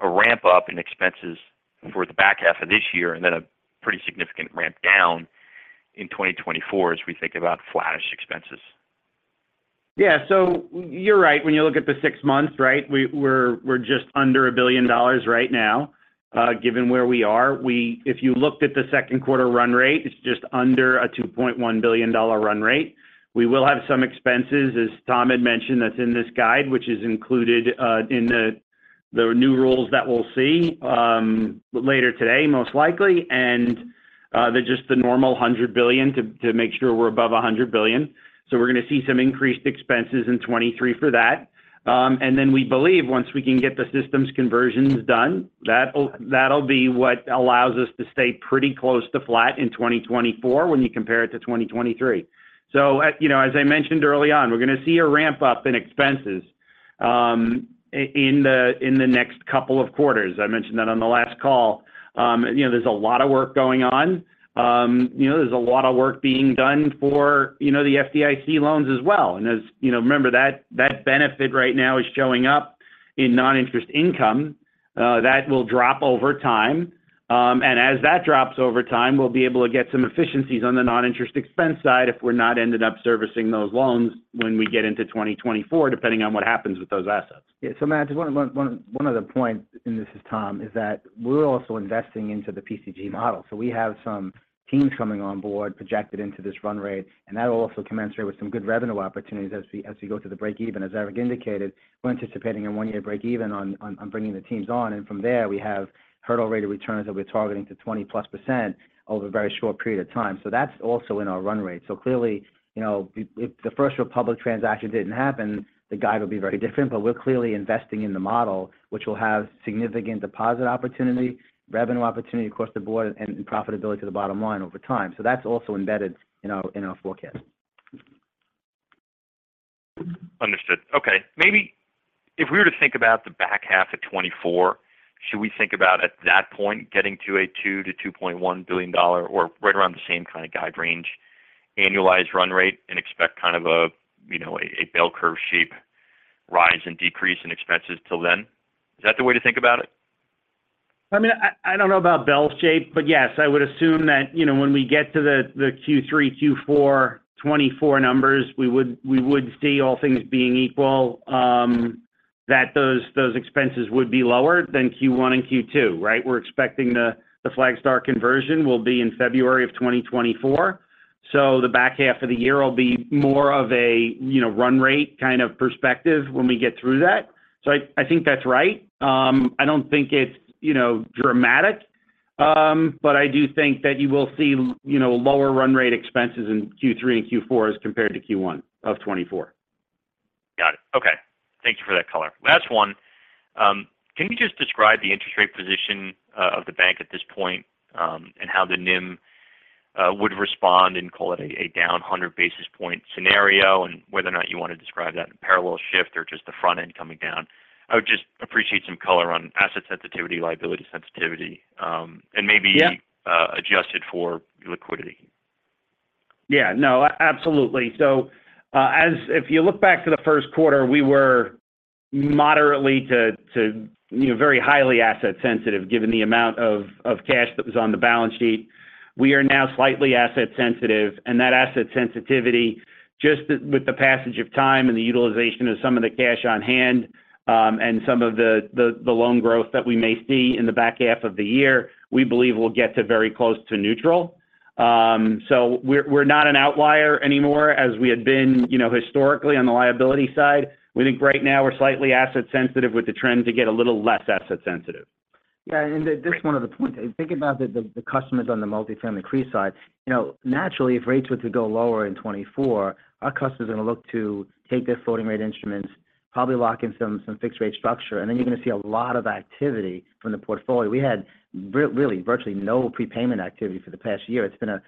S13: a ramp-up in expenses for the back half of this year, and then a pretty significant ramp down in 2024 as we think about flattish expenses.
S5: You're right. When you look at the six months, right? We're just under $1 billion right now, given where we are. If you looked at the second quarter run rate, it's just under a $2.1 billion run rate. We will have some expenses, as Tom had mentioned, that's in this guide, which is included in the new rules that we'll see, but later today, most likely, and the just the normal $100 billion to make sure we're above $100 billion. We're going to see some increased expenses in 2023 for that. We believe once we can get the systems conversions done, that'll be what allows us to stay pretty close to flat in 2024 when you compare it to 2023. As, you know, as I mentioned early on, we're going to see a ramp-up in expenses, in the next couple of quarters. I mentioned that on the last call. You know, there's a lot of work going on. You know, there's a lot of work being done for, you know, the FDIC loans as well. As you know, remember, that benefit right now is showing up in non-interest income, that will drop over time. As that drops over time, we'll be able to get some efficiencies on the non-interest expense side if we're not ended up servicing those loans when we get into 2024, depending on what happens with those assets.
S3: Yeah. Matt, just one other point, and this is Tom, is that we're also investing into the PCG model. We have some teams coming on board projected into this run rate, and that'll also commensurate with some good revenue opportunities as we go through the break even. As Eric indicated, we're anticipating a one-year break even on bringing the teams on, and from there, we have hurdle rate of returns that we're targeting to 20%+ over a very short period of time. That's also in our run rate. Clearly, you know, if the First Republic transaction didn't happen, the guide will be very different. We're clearly investing in the model, which will have significant deposit opportunity, revenue opportunity across the board, and profitability to the bottom line over time. That's also embedded in our, in our forecast.
S13: Understood. Okay, maybe if we were to think about the back half of 2024, should we think about at that point, getting to a $2 billion-$2.1 billion or right around the same kind of guide range, annualized run rate, and expect kind of a, you know, a bell curve shape, rise and decrease in expenses till then? Is that the way to think about it?
S5: I mean, I, I don't know about bell shape, but yes, I would assume that, you know, when we get to the Q3, Q4, 2024 numbers, we would see all things being equal, that those expenses would be lower than Q1 and Q2, right? We're expecting the Flagstar conversion will be in February of 2024, so the back half of the year will be more of a, you know, run rate kind of perspective when we get through that. I, I think that's right. I don't think it's, you know, dramatic, but I do think that you will see, you know, lower run rate expenses in Q3 and Q4 as compared to Q1 of 2024.
S13: Got it. Okay. Thank you for that color. Last one, can you just describe the interest rate position of the bank at this point, and how the NIM would respond, and call it a, a down 100 basis point scenario, and whether or not you want to describe that in parallel shift or just the front end coming down? I would just appreciate some color on asset sensitivity, liability sensitivity.
S5: Yeah...
S13: adjusted for liquidity.
S5: Yeah, no, absolutely. If you look back to the first quarter, we were moderately to, you know, very highly asset sensitive, given the amount of cash that was on the balance sheet. We are now slightly asset sensitive, and that asset sensitivity, just with the passage of time and the utilization of some of the cash on hand, and some of the loan growth that we may see in the back half of the year, we believe will get to very close to neutral. We're not an outlier anymore as we had been, you know, historically on the liability side. We think right now we're slightly asset sensitive with the trend to get a little less asset sensitive.
S3: Yeah, that's one of the points. Think about the customers on the multifamily CRE side. You know, naturally, if rates were to go lower in 2024, our customers are going to look to take their floating rate instruments, probably lock in some fixed rate structure, then you're going to see a lot of activity from the portfolio. We had virtually no prepayment activity for the past year. It's been a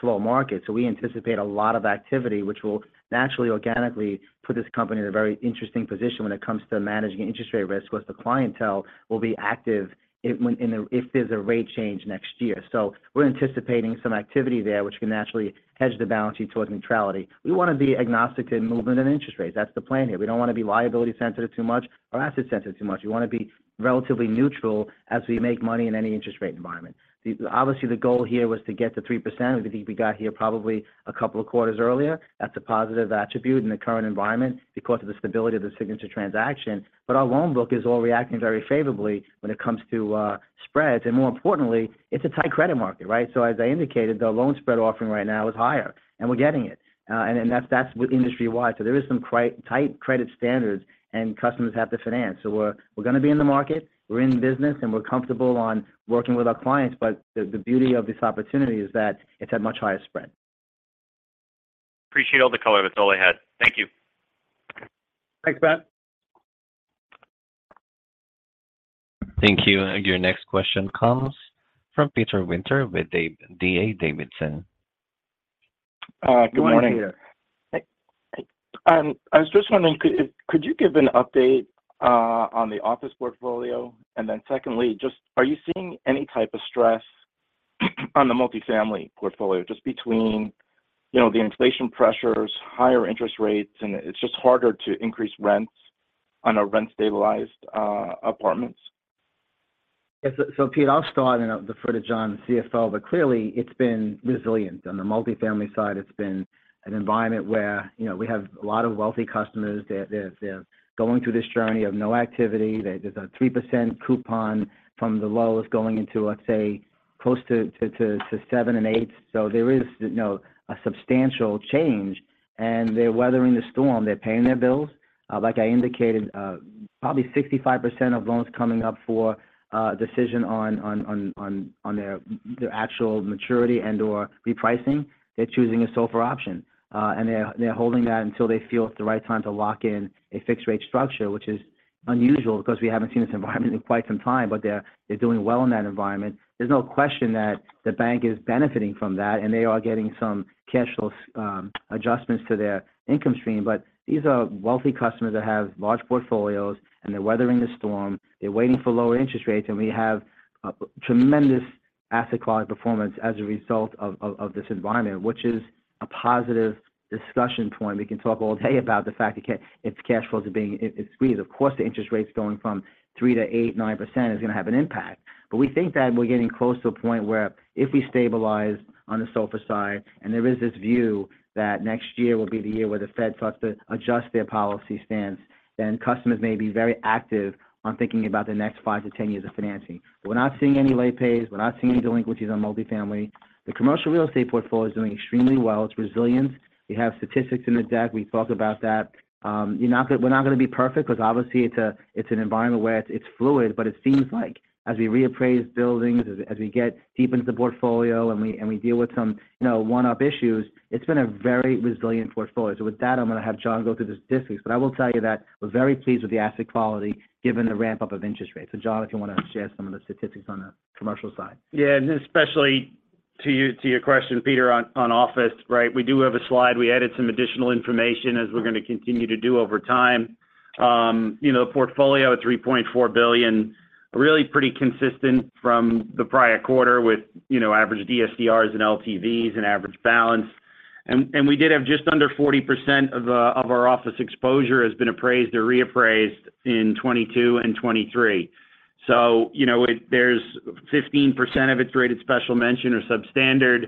S3: slow market, we anticipate a lot of activity which will naturally, organically put this company in a very interesting position when it comes to managing interest rate risk, because the clientele will be active if, when, if there's a rate change next year. We're anticipating some activity there, which can naturally hedge the balance sheet towards neutrality. We want to be agnostic to movement in interest rates. That's the plan here. We don't want to be liability sensitive too much or asset sensitive too much. We want to be relatively neutral as we make money in any interest rate environment. Obviously, the goal here was to get to 3%. We think we got here probably a couple of quarters earlier. That's a positive attribute in the current environment because of the stability of the Signature transaction. Our loan book is all reacting very favorably when it comes to spreads. More importantly, it's a tight credit market, right? As I indicated, the loan spread offering right now is higher, and we're getting it. That's with industry-wide. There is some tight credit standards, and customers have to finance. We're going to be in the market, we're in business, and we're comfortable on working with our clients, but the beauty of this opportunity is that it's at much higher spread.
S13: Appreciate all the color. That's all I had. Thank you.
S5: Thanks, Matt.
S1: Thank you. Your next question comes from Peter Winter with D.A. Davidson.
S14: Good morning.
S5: Good morning.
S14: I was just wondering, could you give an update on the office portfolio? Secondly, are you seeing any type of stress on the multifamily portfolio, just between, you know, the inflation pressures, higher interest rates, and it's just harder to increase rents on a rent-stabilized apartments?
S3: Pete, I'll start and I'll defer to John, the CFO, but clearly it's been resilient. On the multifamily side, it's been an environment where, you know, we have a lot of wealthy customers. They're going through this journey of no activity. There's a 3% coupon from the lows going into, let's say, close to seven and eight. There is, you know, a substantial change, and they're weathering the storm. They're paying their bills. Like I indicated, probably 65% of loans coming up for a decision on their actual maturity and/or repricing, they're choosing a SOFR option. They're holding that until they feel it's the right time to lock in a fixed rate structure, which is unusual because we haven't seen this environment in quite some time, they're doing well in that environment. There's no question that the bank is benefiting from that, they are getting some cash flow adjustments to their income stream. These are wealthy customers that have large portfolios, they're weathering the storm. They're waiting for lower interest rates, we have a tremendous asset quality performance as a result of this environment, which is a positive discussion point. We can talk all day about the fact that its cash flows are being squeezed. Of course, the interest rates going from 3% to 8%, 9% is going to have an impact. We think that we're getting close to a point where if we stabilize on the SOFR side, and there is this view that next year will be the year where the Fed starts to adjust their policy stance, then customers may be very active on thinking about the next five to 10 years of financing. We're not seeing any late pays. We're not seeing any delinquencies on multifamily. The commercial real estate portfolio is doing extremely well. It's resilient. We have statistics in the deck. We talked about that. We're not going to be perfect because obviously it's an environment where it's fluid, but it seems like as we reappraise buildings, as we get deep into the portfolio and we deal with some, you know, one-off issues, it's been a very resilient portfolio. With that, I'm going to have John go through the statistics, but I will tell you that we're very pleased with the asset quality, given the ramp-up of interest rates. John, if you want to share some of the statistics on the commercial side.
S5: Especially to your question, Peter, on office, right? We do have a slide. We added some additional information as we're going to continue to do over time. You know, the portfolio, $3.4 billion, really pretty consistent from the prior quarter with, you know, average DSCRs and LTVs and average balance. We did have just under 40% of our office exposure has been appraised or reappraised in 2022 and 2023. You know there's 15% of it's rated special mention or substandard.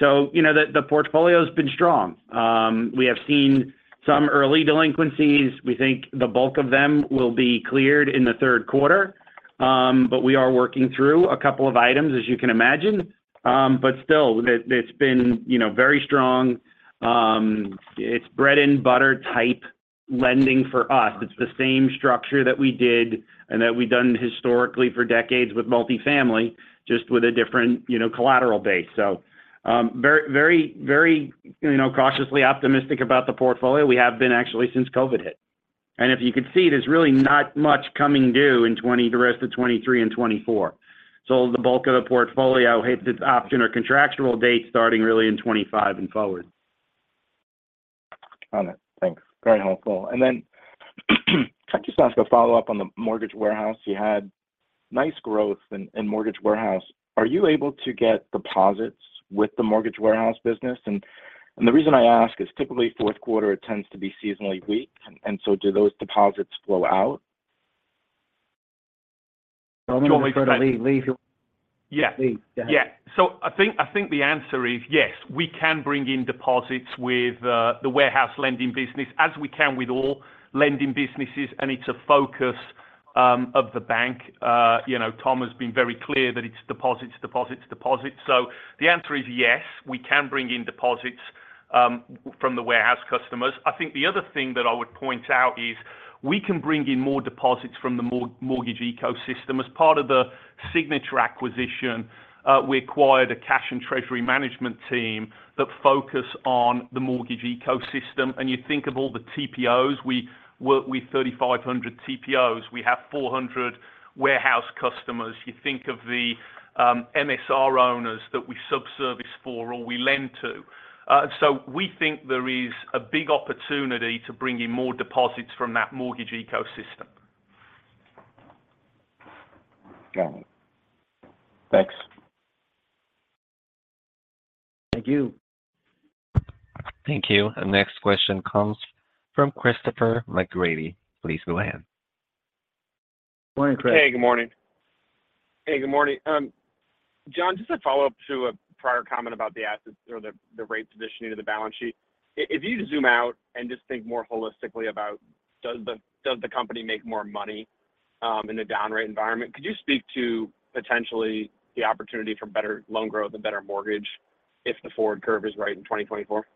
S5: You know, the portfolio has been strong. We have seen some early delinquencies. We think the bulk of them will be cleared in the third quarter. We are working through a couple of items, as you can imagine. Still, it's been, you know, very strong. It's bread-and-butter-type lending for us. It's the same structure that we did and that we've done historically for decades with multifamily, just with a different, you know, collateral base. Very, you know, cautiously optimistic about the portfolio. We have been actually since COVID hit. If you could see, there's really not much coming due in the rest of 2023 and 2024. The bulk of the portfolio hits its option or contractual date, starting really in 2025 and forward.
S14: Got it. Thanks. Very helpful. Can I just ask a follow-up on the mortgage warehouse? You had nice growth in mortgage warehouse. Are you able to get deposits with the mortgage warehouse business? The reason I ask is typically fourth quarter, it tends to be seasonally weak, do those deposits flow out?
S3: John, want to go ahead and leave.
S11: Yeah.
S3: Leave. Go ahead.
S11: I think the answer is yes. We can bring in deposits with the warehouse lending business, as we can with all lending businesses, it's a focus of the bank. You know, Tom has been very clear that it's deposits, deposits, deposits. The answer is yes, we can bring in deposits from the warehouse customers. I think the other thing that I would point out is we can bring in more deposits from the mortgage ecosystem. As part of the Signature acquisition, we acquired a cash and treasury management team that focus on the mortgage ecosystem. You think of all the TPOs, we work with 3,500 TPOs. We have 400 warehouse customers. You think of the MSR owners that we subservice for or we lend to. We think there is a big opportunity to bring in more deposits from that mortgage ecosystem.
S14: Got it. Thanks.
S3: Thank you.
S1: Thank you. Our next question comes from Christopher McGratty. Please go ahead.
S3: Morning, Chris.
S15: Hey, good morning. John, just a follow-up to a prior comment about the assets or the, the rate positioning of the balance sheet. If you zoom out and just think more holistically about does the company make more money in a down rate environment, could you speak to potentially the opportunity for better loan growth and better mortgage if the forward curve is right in 2024?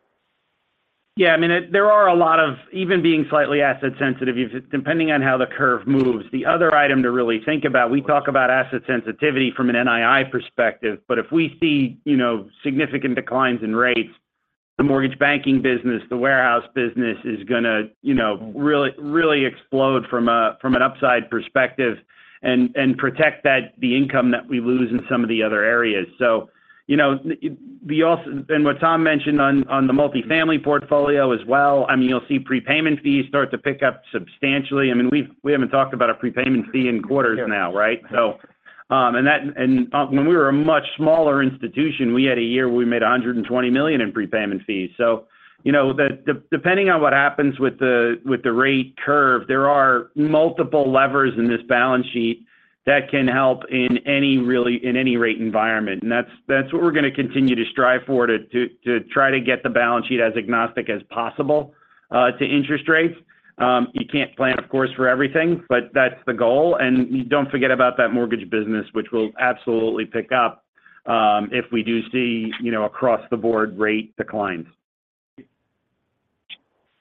S5: Yeah, I mean, there are a lot of even being slightly asset sensitive, depending on how the curve moves. The other item to really think about, we talk about asset sensitivity from an NII perspective, but if we see significant declines in rates, the mortgage banking business, the warehouse business is gonna, you know, really explode from an upside perspective and protect the income that we lose in some of the other areas. You know, we also and what Tom mentioned on the multifamily portfolio as well, I mean, you'll see prepayment fees start to pick up substantially. I mean, we haven't talked about a prepayment fee in quarters now, right? That, when we were a much smaller institution, we had a year where we made $120 million in prepayment fees. You know, depending on what happens with the rate curve, there are multiple levers in this balance sheet that can help in any really, in any rate environment. That's what we're gonna continue to strive for, to try to get the balance sheet as agnostic as possible to interest rates. You can't plan, of course, for everything, but that's the goal. Don't forget about that mortgage business, which will absolutely pick up if we do see, you know, across-the-board rate declines.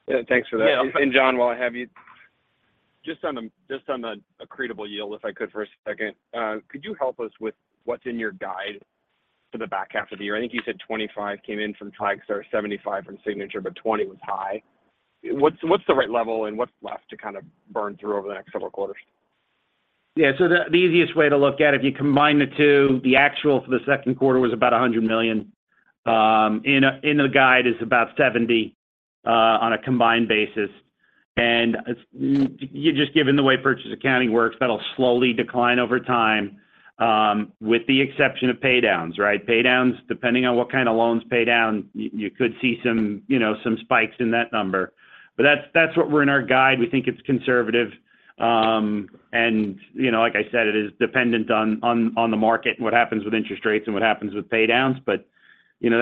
S15: Yeah, thanks for that.
S5: Yeah-
S15: John, while I have you, just on a, just on a, accretable yield, if I could for a second. Could you help us with what's in your guide for the back half of the year? I think you said 25 came in from Flagstar, 75 from Signature, but 20 was high. What's the right level, and what's left to kind of burn through over the next several quarters?
S5: The easiest way to look at, if you combine the two, the actual for the second quarter was about $100 million. In the guide is about $70 million on a combined basis. It's just given the way purchase accounting works, that'll slowly decline over time, with the exception of pay downs, right? Pay downs, depending on what kind of loans pay down, you could see some, you know, some spikes in that number. That's, that's what we're in our guide. We think it's conservative. You know, like I said, it is dependent on the market and what happens with interest rates and what happens with pay downs. You know,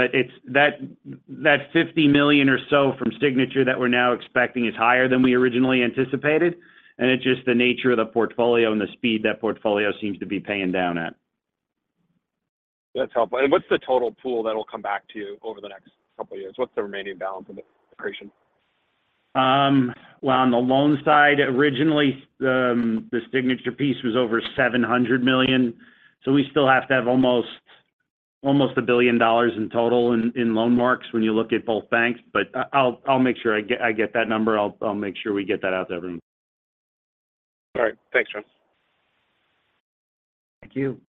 S5: that $50 million or so from Signature that we're now expecting is higher than we originally anticipated, and it's just the nature of the portfolio and the speed that portfolio seems to be paying down at.
S15: That's helpful. What's the total pool that will come back to you over the next couple of years? What's the remaining balance of the accretion?
S5: Well, on the loan side, originally, the Signature piece was over $700 million, so we still have to have almost $1 billion in total in, in loan marks when you look at both banks. I'll make sure I get that number. I'll make sure we get that out to everyone.
S15: All right. Thanks, John.
S5: Thank you.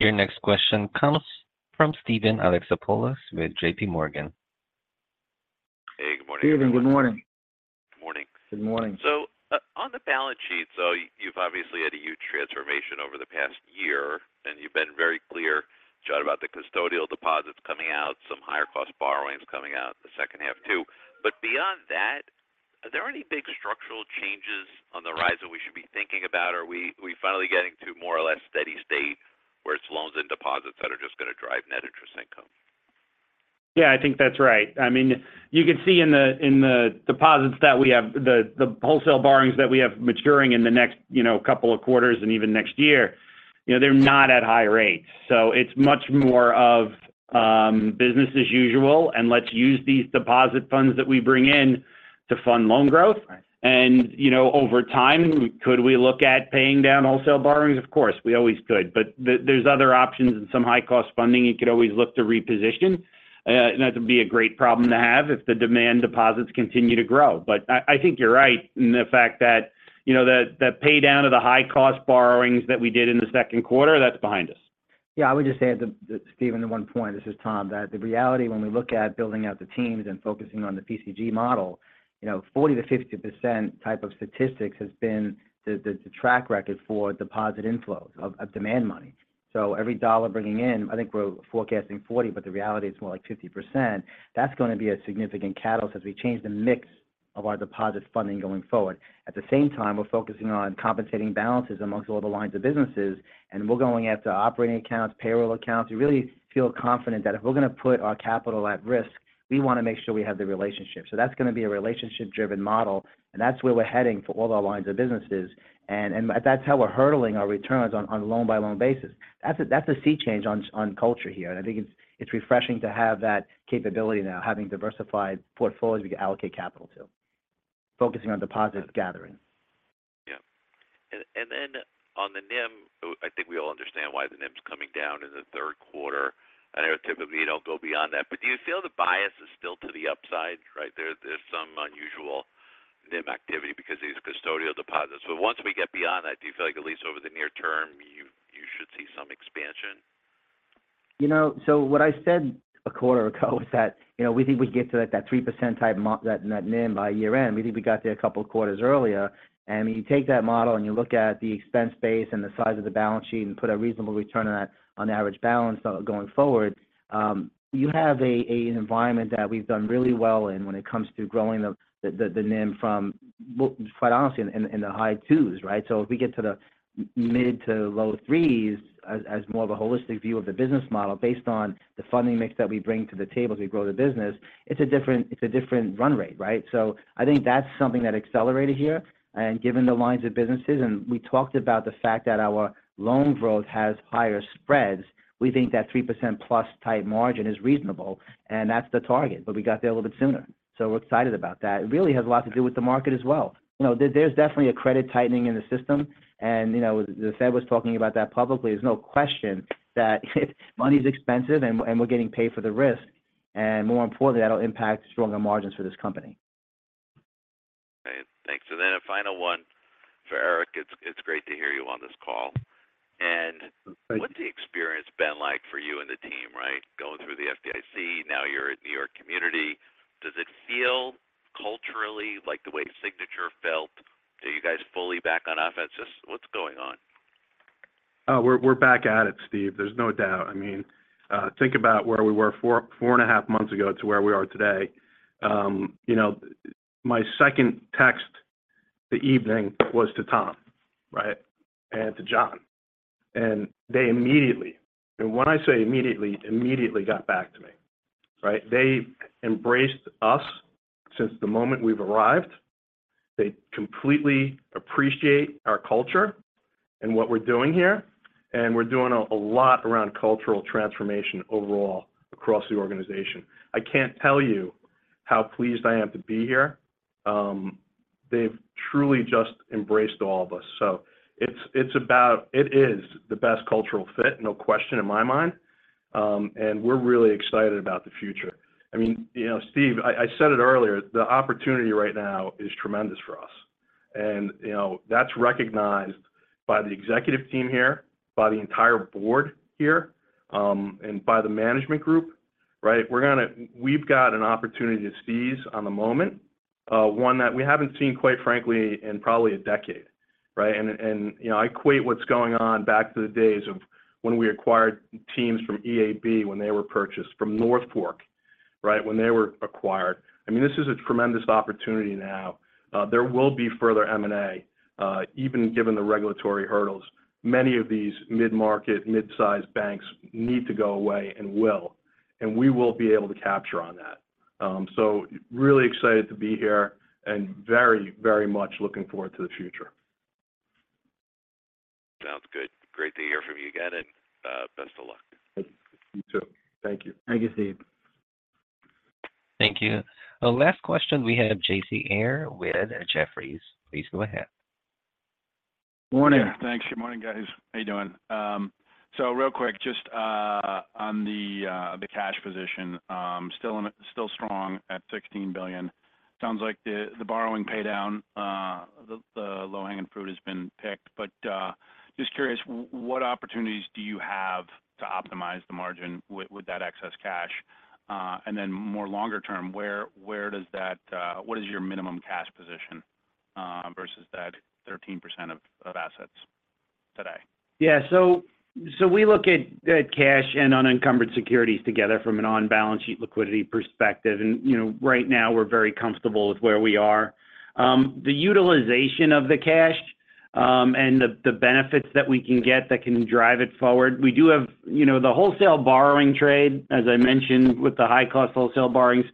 S1: Your next question comes from Steven Alexopoulos with JP Morgan.
S16: Hey, good morning.
S5: Steven, good morning.
S16: Good morning.
S5: Good morning.
S16: On the balance sheet, you've obviously had a huge transformation over the past year, and you've been very clear about the custodial deposits coming out, some higher cost borrowings coming out in the second half, too. Beyond that, are there any big structural changes on the horizon we should be thinking about? Are we finally getting to more or less steady state, where it's loans and deposits that are just going to drive net interest income?
S5: Yeah, I think that's right. I mean, you can see in the deposits that we have, the wholesale borrowings that we have maturing in the next, you know, couple of quarters and even next year, you know, they're not at high rates. It's much more of business as usual, and let's use these deposit funds that we bring in to fund loan growth.
S16: Right.
S5: You know, over time, could we look at paying down wholesale borrowings? Of course, we always could, but there, there's other options in some high-cost funding you could always look to reposition. That would be a great problem to have if the demand deposits continue to grow. I, I think you're right in the fact that, you know, the, the pay down of the high-cost borrowings that we did in the second quarter, that's behind us.
S3: Yeah, I would just add to, Steven, to one point, this is Tom, that the reality when we look at building out the teams and focusing on the PCG model, you know, 40%-50% type of statistics has been the track record for deposit inflows of demand money. Every dollar bringing in, I think we're forecasting 40, but the reality is more like 50%. That's going to be a significant catalyst as we change the mix of our deposit funding going forward. At the same time, we're focusing on compensating balances amongst all the lines of businesses, and we're going after operating accounts, payroll accounts. We really feel confident that if we're going to put our capital at risk, we want to make sure we have the relationship. That's going to be a relationship-driven model, and that's where we're heading for all our lines of businesses. That's how we're hurdling our returns on a loan-by-loan basis. That's a sea change on culture here, and I think it's refreshing to have that capability now, having diversified portfolios we can allocate capital to. Focusing on deposit gathering.
S16: Yeah. On the NIM, I think we all understand why the NIM is coming down in the third quarter. I know typically you don't go beyond that, but do you feel the bias is still to the upside? Right, there's some unusual NIM activity because these are custodial deposits. Once we get beyond that, do you feel like at least over the near term, you should see some expansion?
S3: You know, what I said a quarter ago was that, you know, we think we get to that, that 3% type that, that NIM by year-end. We think we got there a couple of quarters earlier. When you take that model and you look at the expense base and the size of the balance sheet and put a reasonable return on that, on the average balance going forward, you have a, a environment that we've done really well in when it comes to growing the NIM from, well, quite honestly, in the high two's, right? If we get to the mid to low three's as, as more of a holistic view of the business model, based on the funding mix that we bring to the table as we grow the business, it's a different, it's a different run rate, right? I think that's something that accelerated here. Given the lines of businesses, and we talked about the fact that our loan growth has higher spreads, we think that 3% plus tight margin is reasonable, and that's the target, but we got there a little bit sooner. We're excited about that. It really has a lot to do with the market as well. You know, there's definitely a credit tightening in the system, and, you know, the Fed was talking about that publicly. There's no question that money is expensive, and we're getting paid for the risk. More importantly, that'll impact stronger margins for this company.
S16: Great. Thanks. Then a final one for Eric. Great to hear you on this call.
S6: Thank you.
S16: what's the experience been like for you and the team, right? Going through the FDIC, now you're at New York Community. Does it feel culturally like the way Signature felt? Are you guys fully back on offense? Just what's going on?
S6: We're back at it, Steve. There's no doubt. I mean, think about where we were four and a half months ago to where we are today. You know, my second text the evening was to Tom, right, and to John, and they immediately, and when I say immediately, got back to me, right? They've embraced us since the moment we've arrived. They completely appreciate our culture and what we're doing here, and we're doing a lot around cultural transformation overall across the organization. I can't tell you how pleased I am to be here. They've truly just embraced all of us. It is the best cultural fit, no question in my mind. We're really excited about the future. I mean, you know, Steve, I said it earlier, the opportunity right now is tremendous for us. You know, that's recognized by the executive team here, by the entire board here, and by the management group, right? We've got an opportunity to seize on the moment, one that we haven't seen, quite frankly, in probably a decade, right? You know, I equate what's going on back to the days of when we acquired teams from EAB, when they were purchased from North Fork, right, when they were acquired. I mean, this is a tremendous opportunity now. There will be further M&A. Even given the regulatory hurdles, many of these mid-market, mid-sized banks need to go away and will, and we will be able to capture on that. Really excited to be here and very, very much looking forward to the future.
S16: Sounds good. Great to hear from you again, and, best of luck.
S6: Thank you. You too. Thank you.
S3: Thank you, Steve.
S1: Thank you. Last question, we have J.C. Ayer with Jefferies. Please go ahead.
S17: Morning. Thanks. Good morning, guys. How you doing? Real quick, just on the cash position, still strong at $16 billion. Sounds like the borrowing paydown, the low-hanging fruit has been picked. Just curious, what opportunities do you have to optimize the margin with that excess cash? Then more longer term, where does that what is your minimum cash position, versus that 13% of assets today?
S3: We look at cash and unencumbered securities together from an on-balance sheet liquidity perspective. You know, right now, we're very comfortable with where we are. The utilization of the cash, and the benefits that we can get that can drive it forward, we do have, you know, the wholesale borrowing trade, as I mentioned, with the high-cost wholesale borrowings,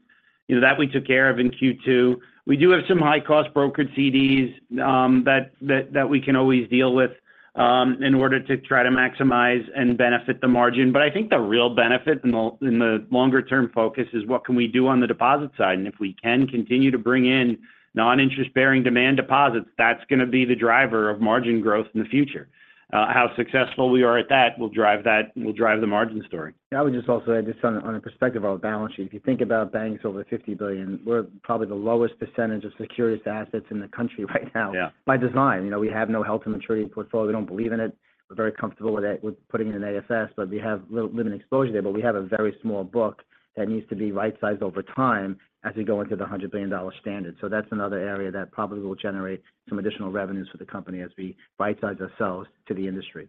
S3: you know, that we took care of in Q2. We do have some high-cost brokered CDs, that we can always deal with, in order to try to maximize and benefit the margin. I think the real benefit in the, in the longer-term focus is what can we do on the deposit side? If we can continue to bring in non-interest-bearing demand deposits, that's gonna be the driver of margin growth in the future. How successful we are at that will drive the margin story.
S6: I would just also add this on, on a perspective of our balance sheet. If you think about banks over $50 billion, we're probably the lowest % of securities assets in the country right now.
S3: Yeah
S6: by design. You know, we have no hold-to-maturity portfolio. We don't believe in it. We're very comfortable with it, with putting it in AFS, we have limited exposure there. We have a very small book that needs to be right-sized over time as we go into the $100 billion standard. That's another area that probably will generate some additional revenues for the company as we rightsize ourselves to the industry.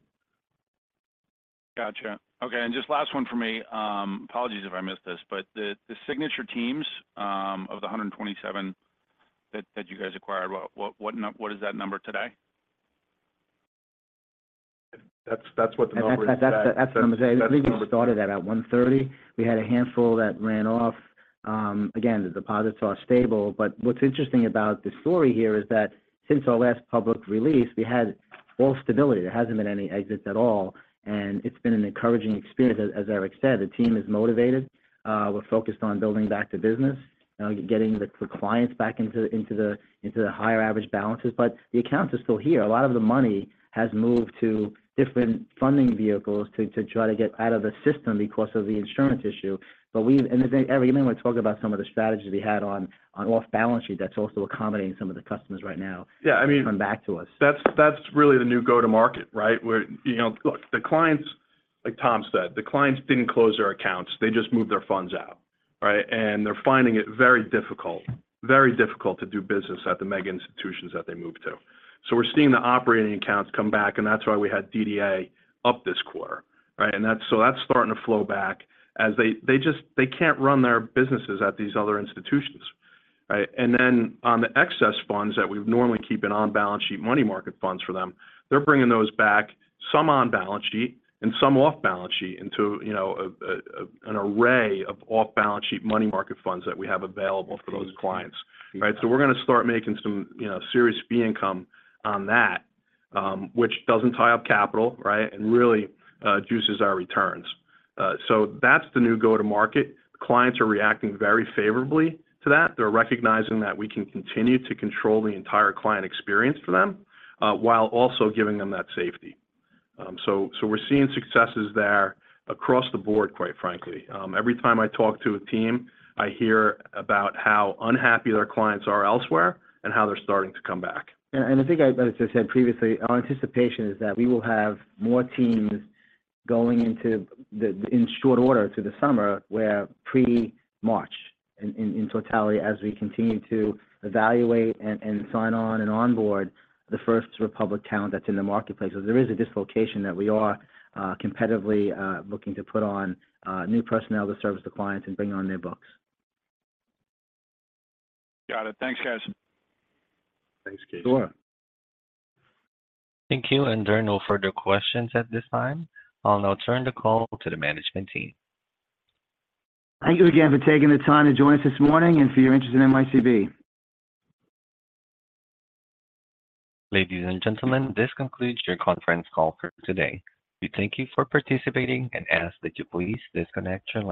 S17: Gotcha. Okay, and just last one for me. Apologies if I missed this, but the Signature teams, of the 127 that you guys acquired, what is that number today?
S6: That's what the number is.
S3: That's the number.
S6: That's the number.
S3: I believe we started at 1:30. We had a handful that ran off. Again, the deposits are stable. What's interesting about the story here is that since our last public release, we had full stability. There hasn't been any exits at all, and it's been an encouraging experience. As Eric said, the team is motivated. We're focused on building back the business, getting the clients back into the higher average balances, but the accounts are still here. A lot of the money has moved to different funding vehicles to try to get out of the system because of the insurance issue. We've. Even when we talk about some of the strategies we had on off-balance sheet, that's also accommodating some of the customers right now.
S6: Yeah.
S3: Coming back to us.
S6: That's really the new go-to-market, right? You know, look, the clients, like Tom said, the clients didn't close their accounts. They just moved their funds out, right? They're finding it very difficult to do business at the mega institutions that they moved to. We're seeing the operating accounts come back, and that's why we had DDA up this quarter, right? That's starting to flow back as they just, they can't run their businesses at these other institutions, right? On the excess funds that we would normally keep in on-balance sheet money market funds for them, they're bringing those back, some on-balance sheet and some off-balance sheet, into, you know, an array of off-balance sheet money market funds that we have available for those clients. Right, we're going to start making some, you know, serious fee income on that, which doesn't tie up capital, right, and really, juices our returns. That's the new go-to-market. Clients are reacting very favorably to that. They're recognizing that we can continue to control the entire client experience for them, while also giving them that safety. We're seeing successes there across the board, quite frankly. Every time I talk to a team, I hear about how unhappy their clients are elsewhere and how they're starting to come back.
S3: Yeah, I think, as I said previously, our anticipation is that we will have more teams going into the, in short order to the summer, where pre-March in, in, in totality, as we continue to evaluate and, and sign on and onboard the First Republic talent that's in the marketplace. There is a dislocation that we are competitively looking to put on new personnel to service the clients and bring on their books.
S17: Got it. Thanks, guys.
S6: Thanks, JC.
S3: Sure.
S1: Thank you. There are no further questions at this time. I'll now turn the call to the management team.
S3: Thank you again for taking the time to join us this morning and for your interest in NYCB.
S1: Ladies and gentlemen, this concludes your conference call for today. We thank you for participating and ask that you please disconnect your line.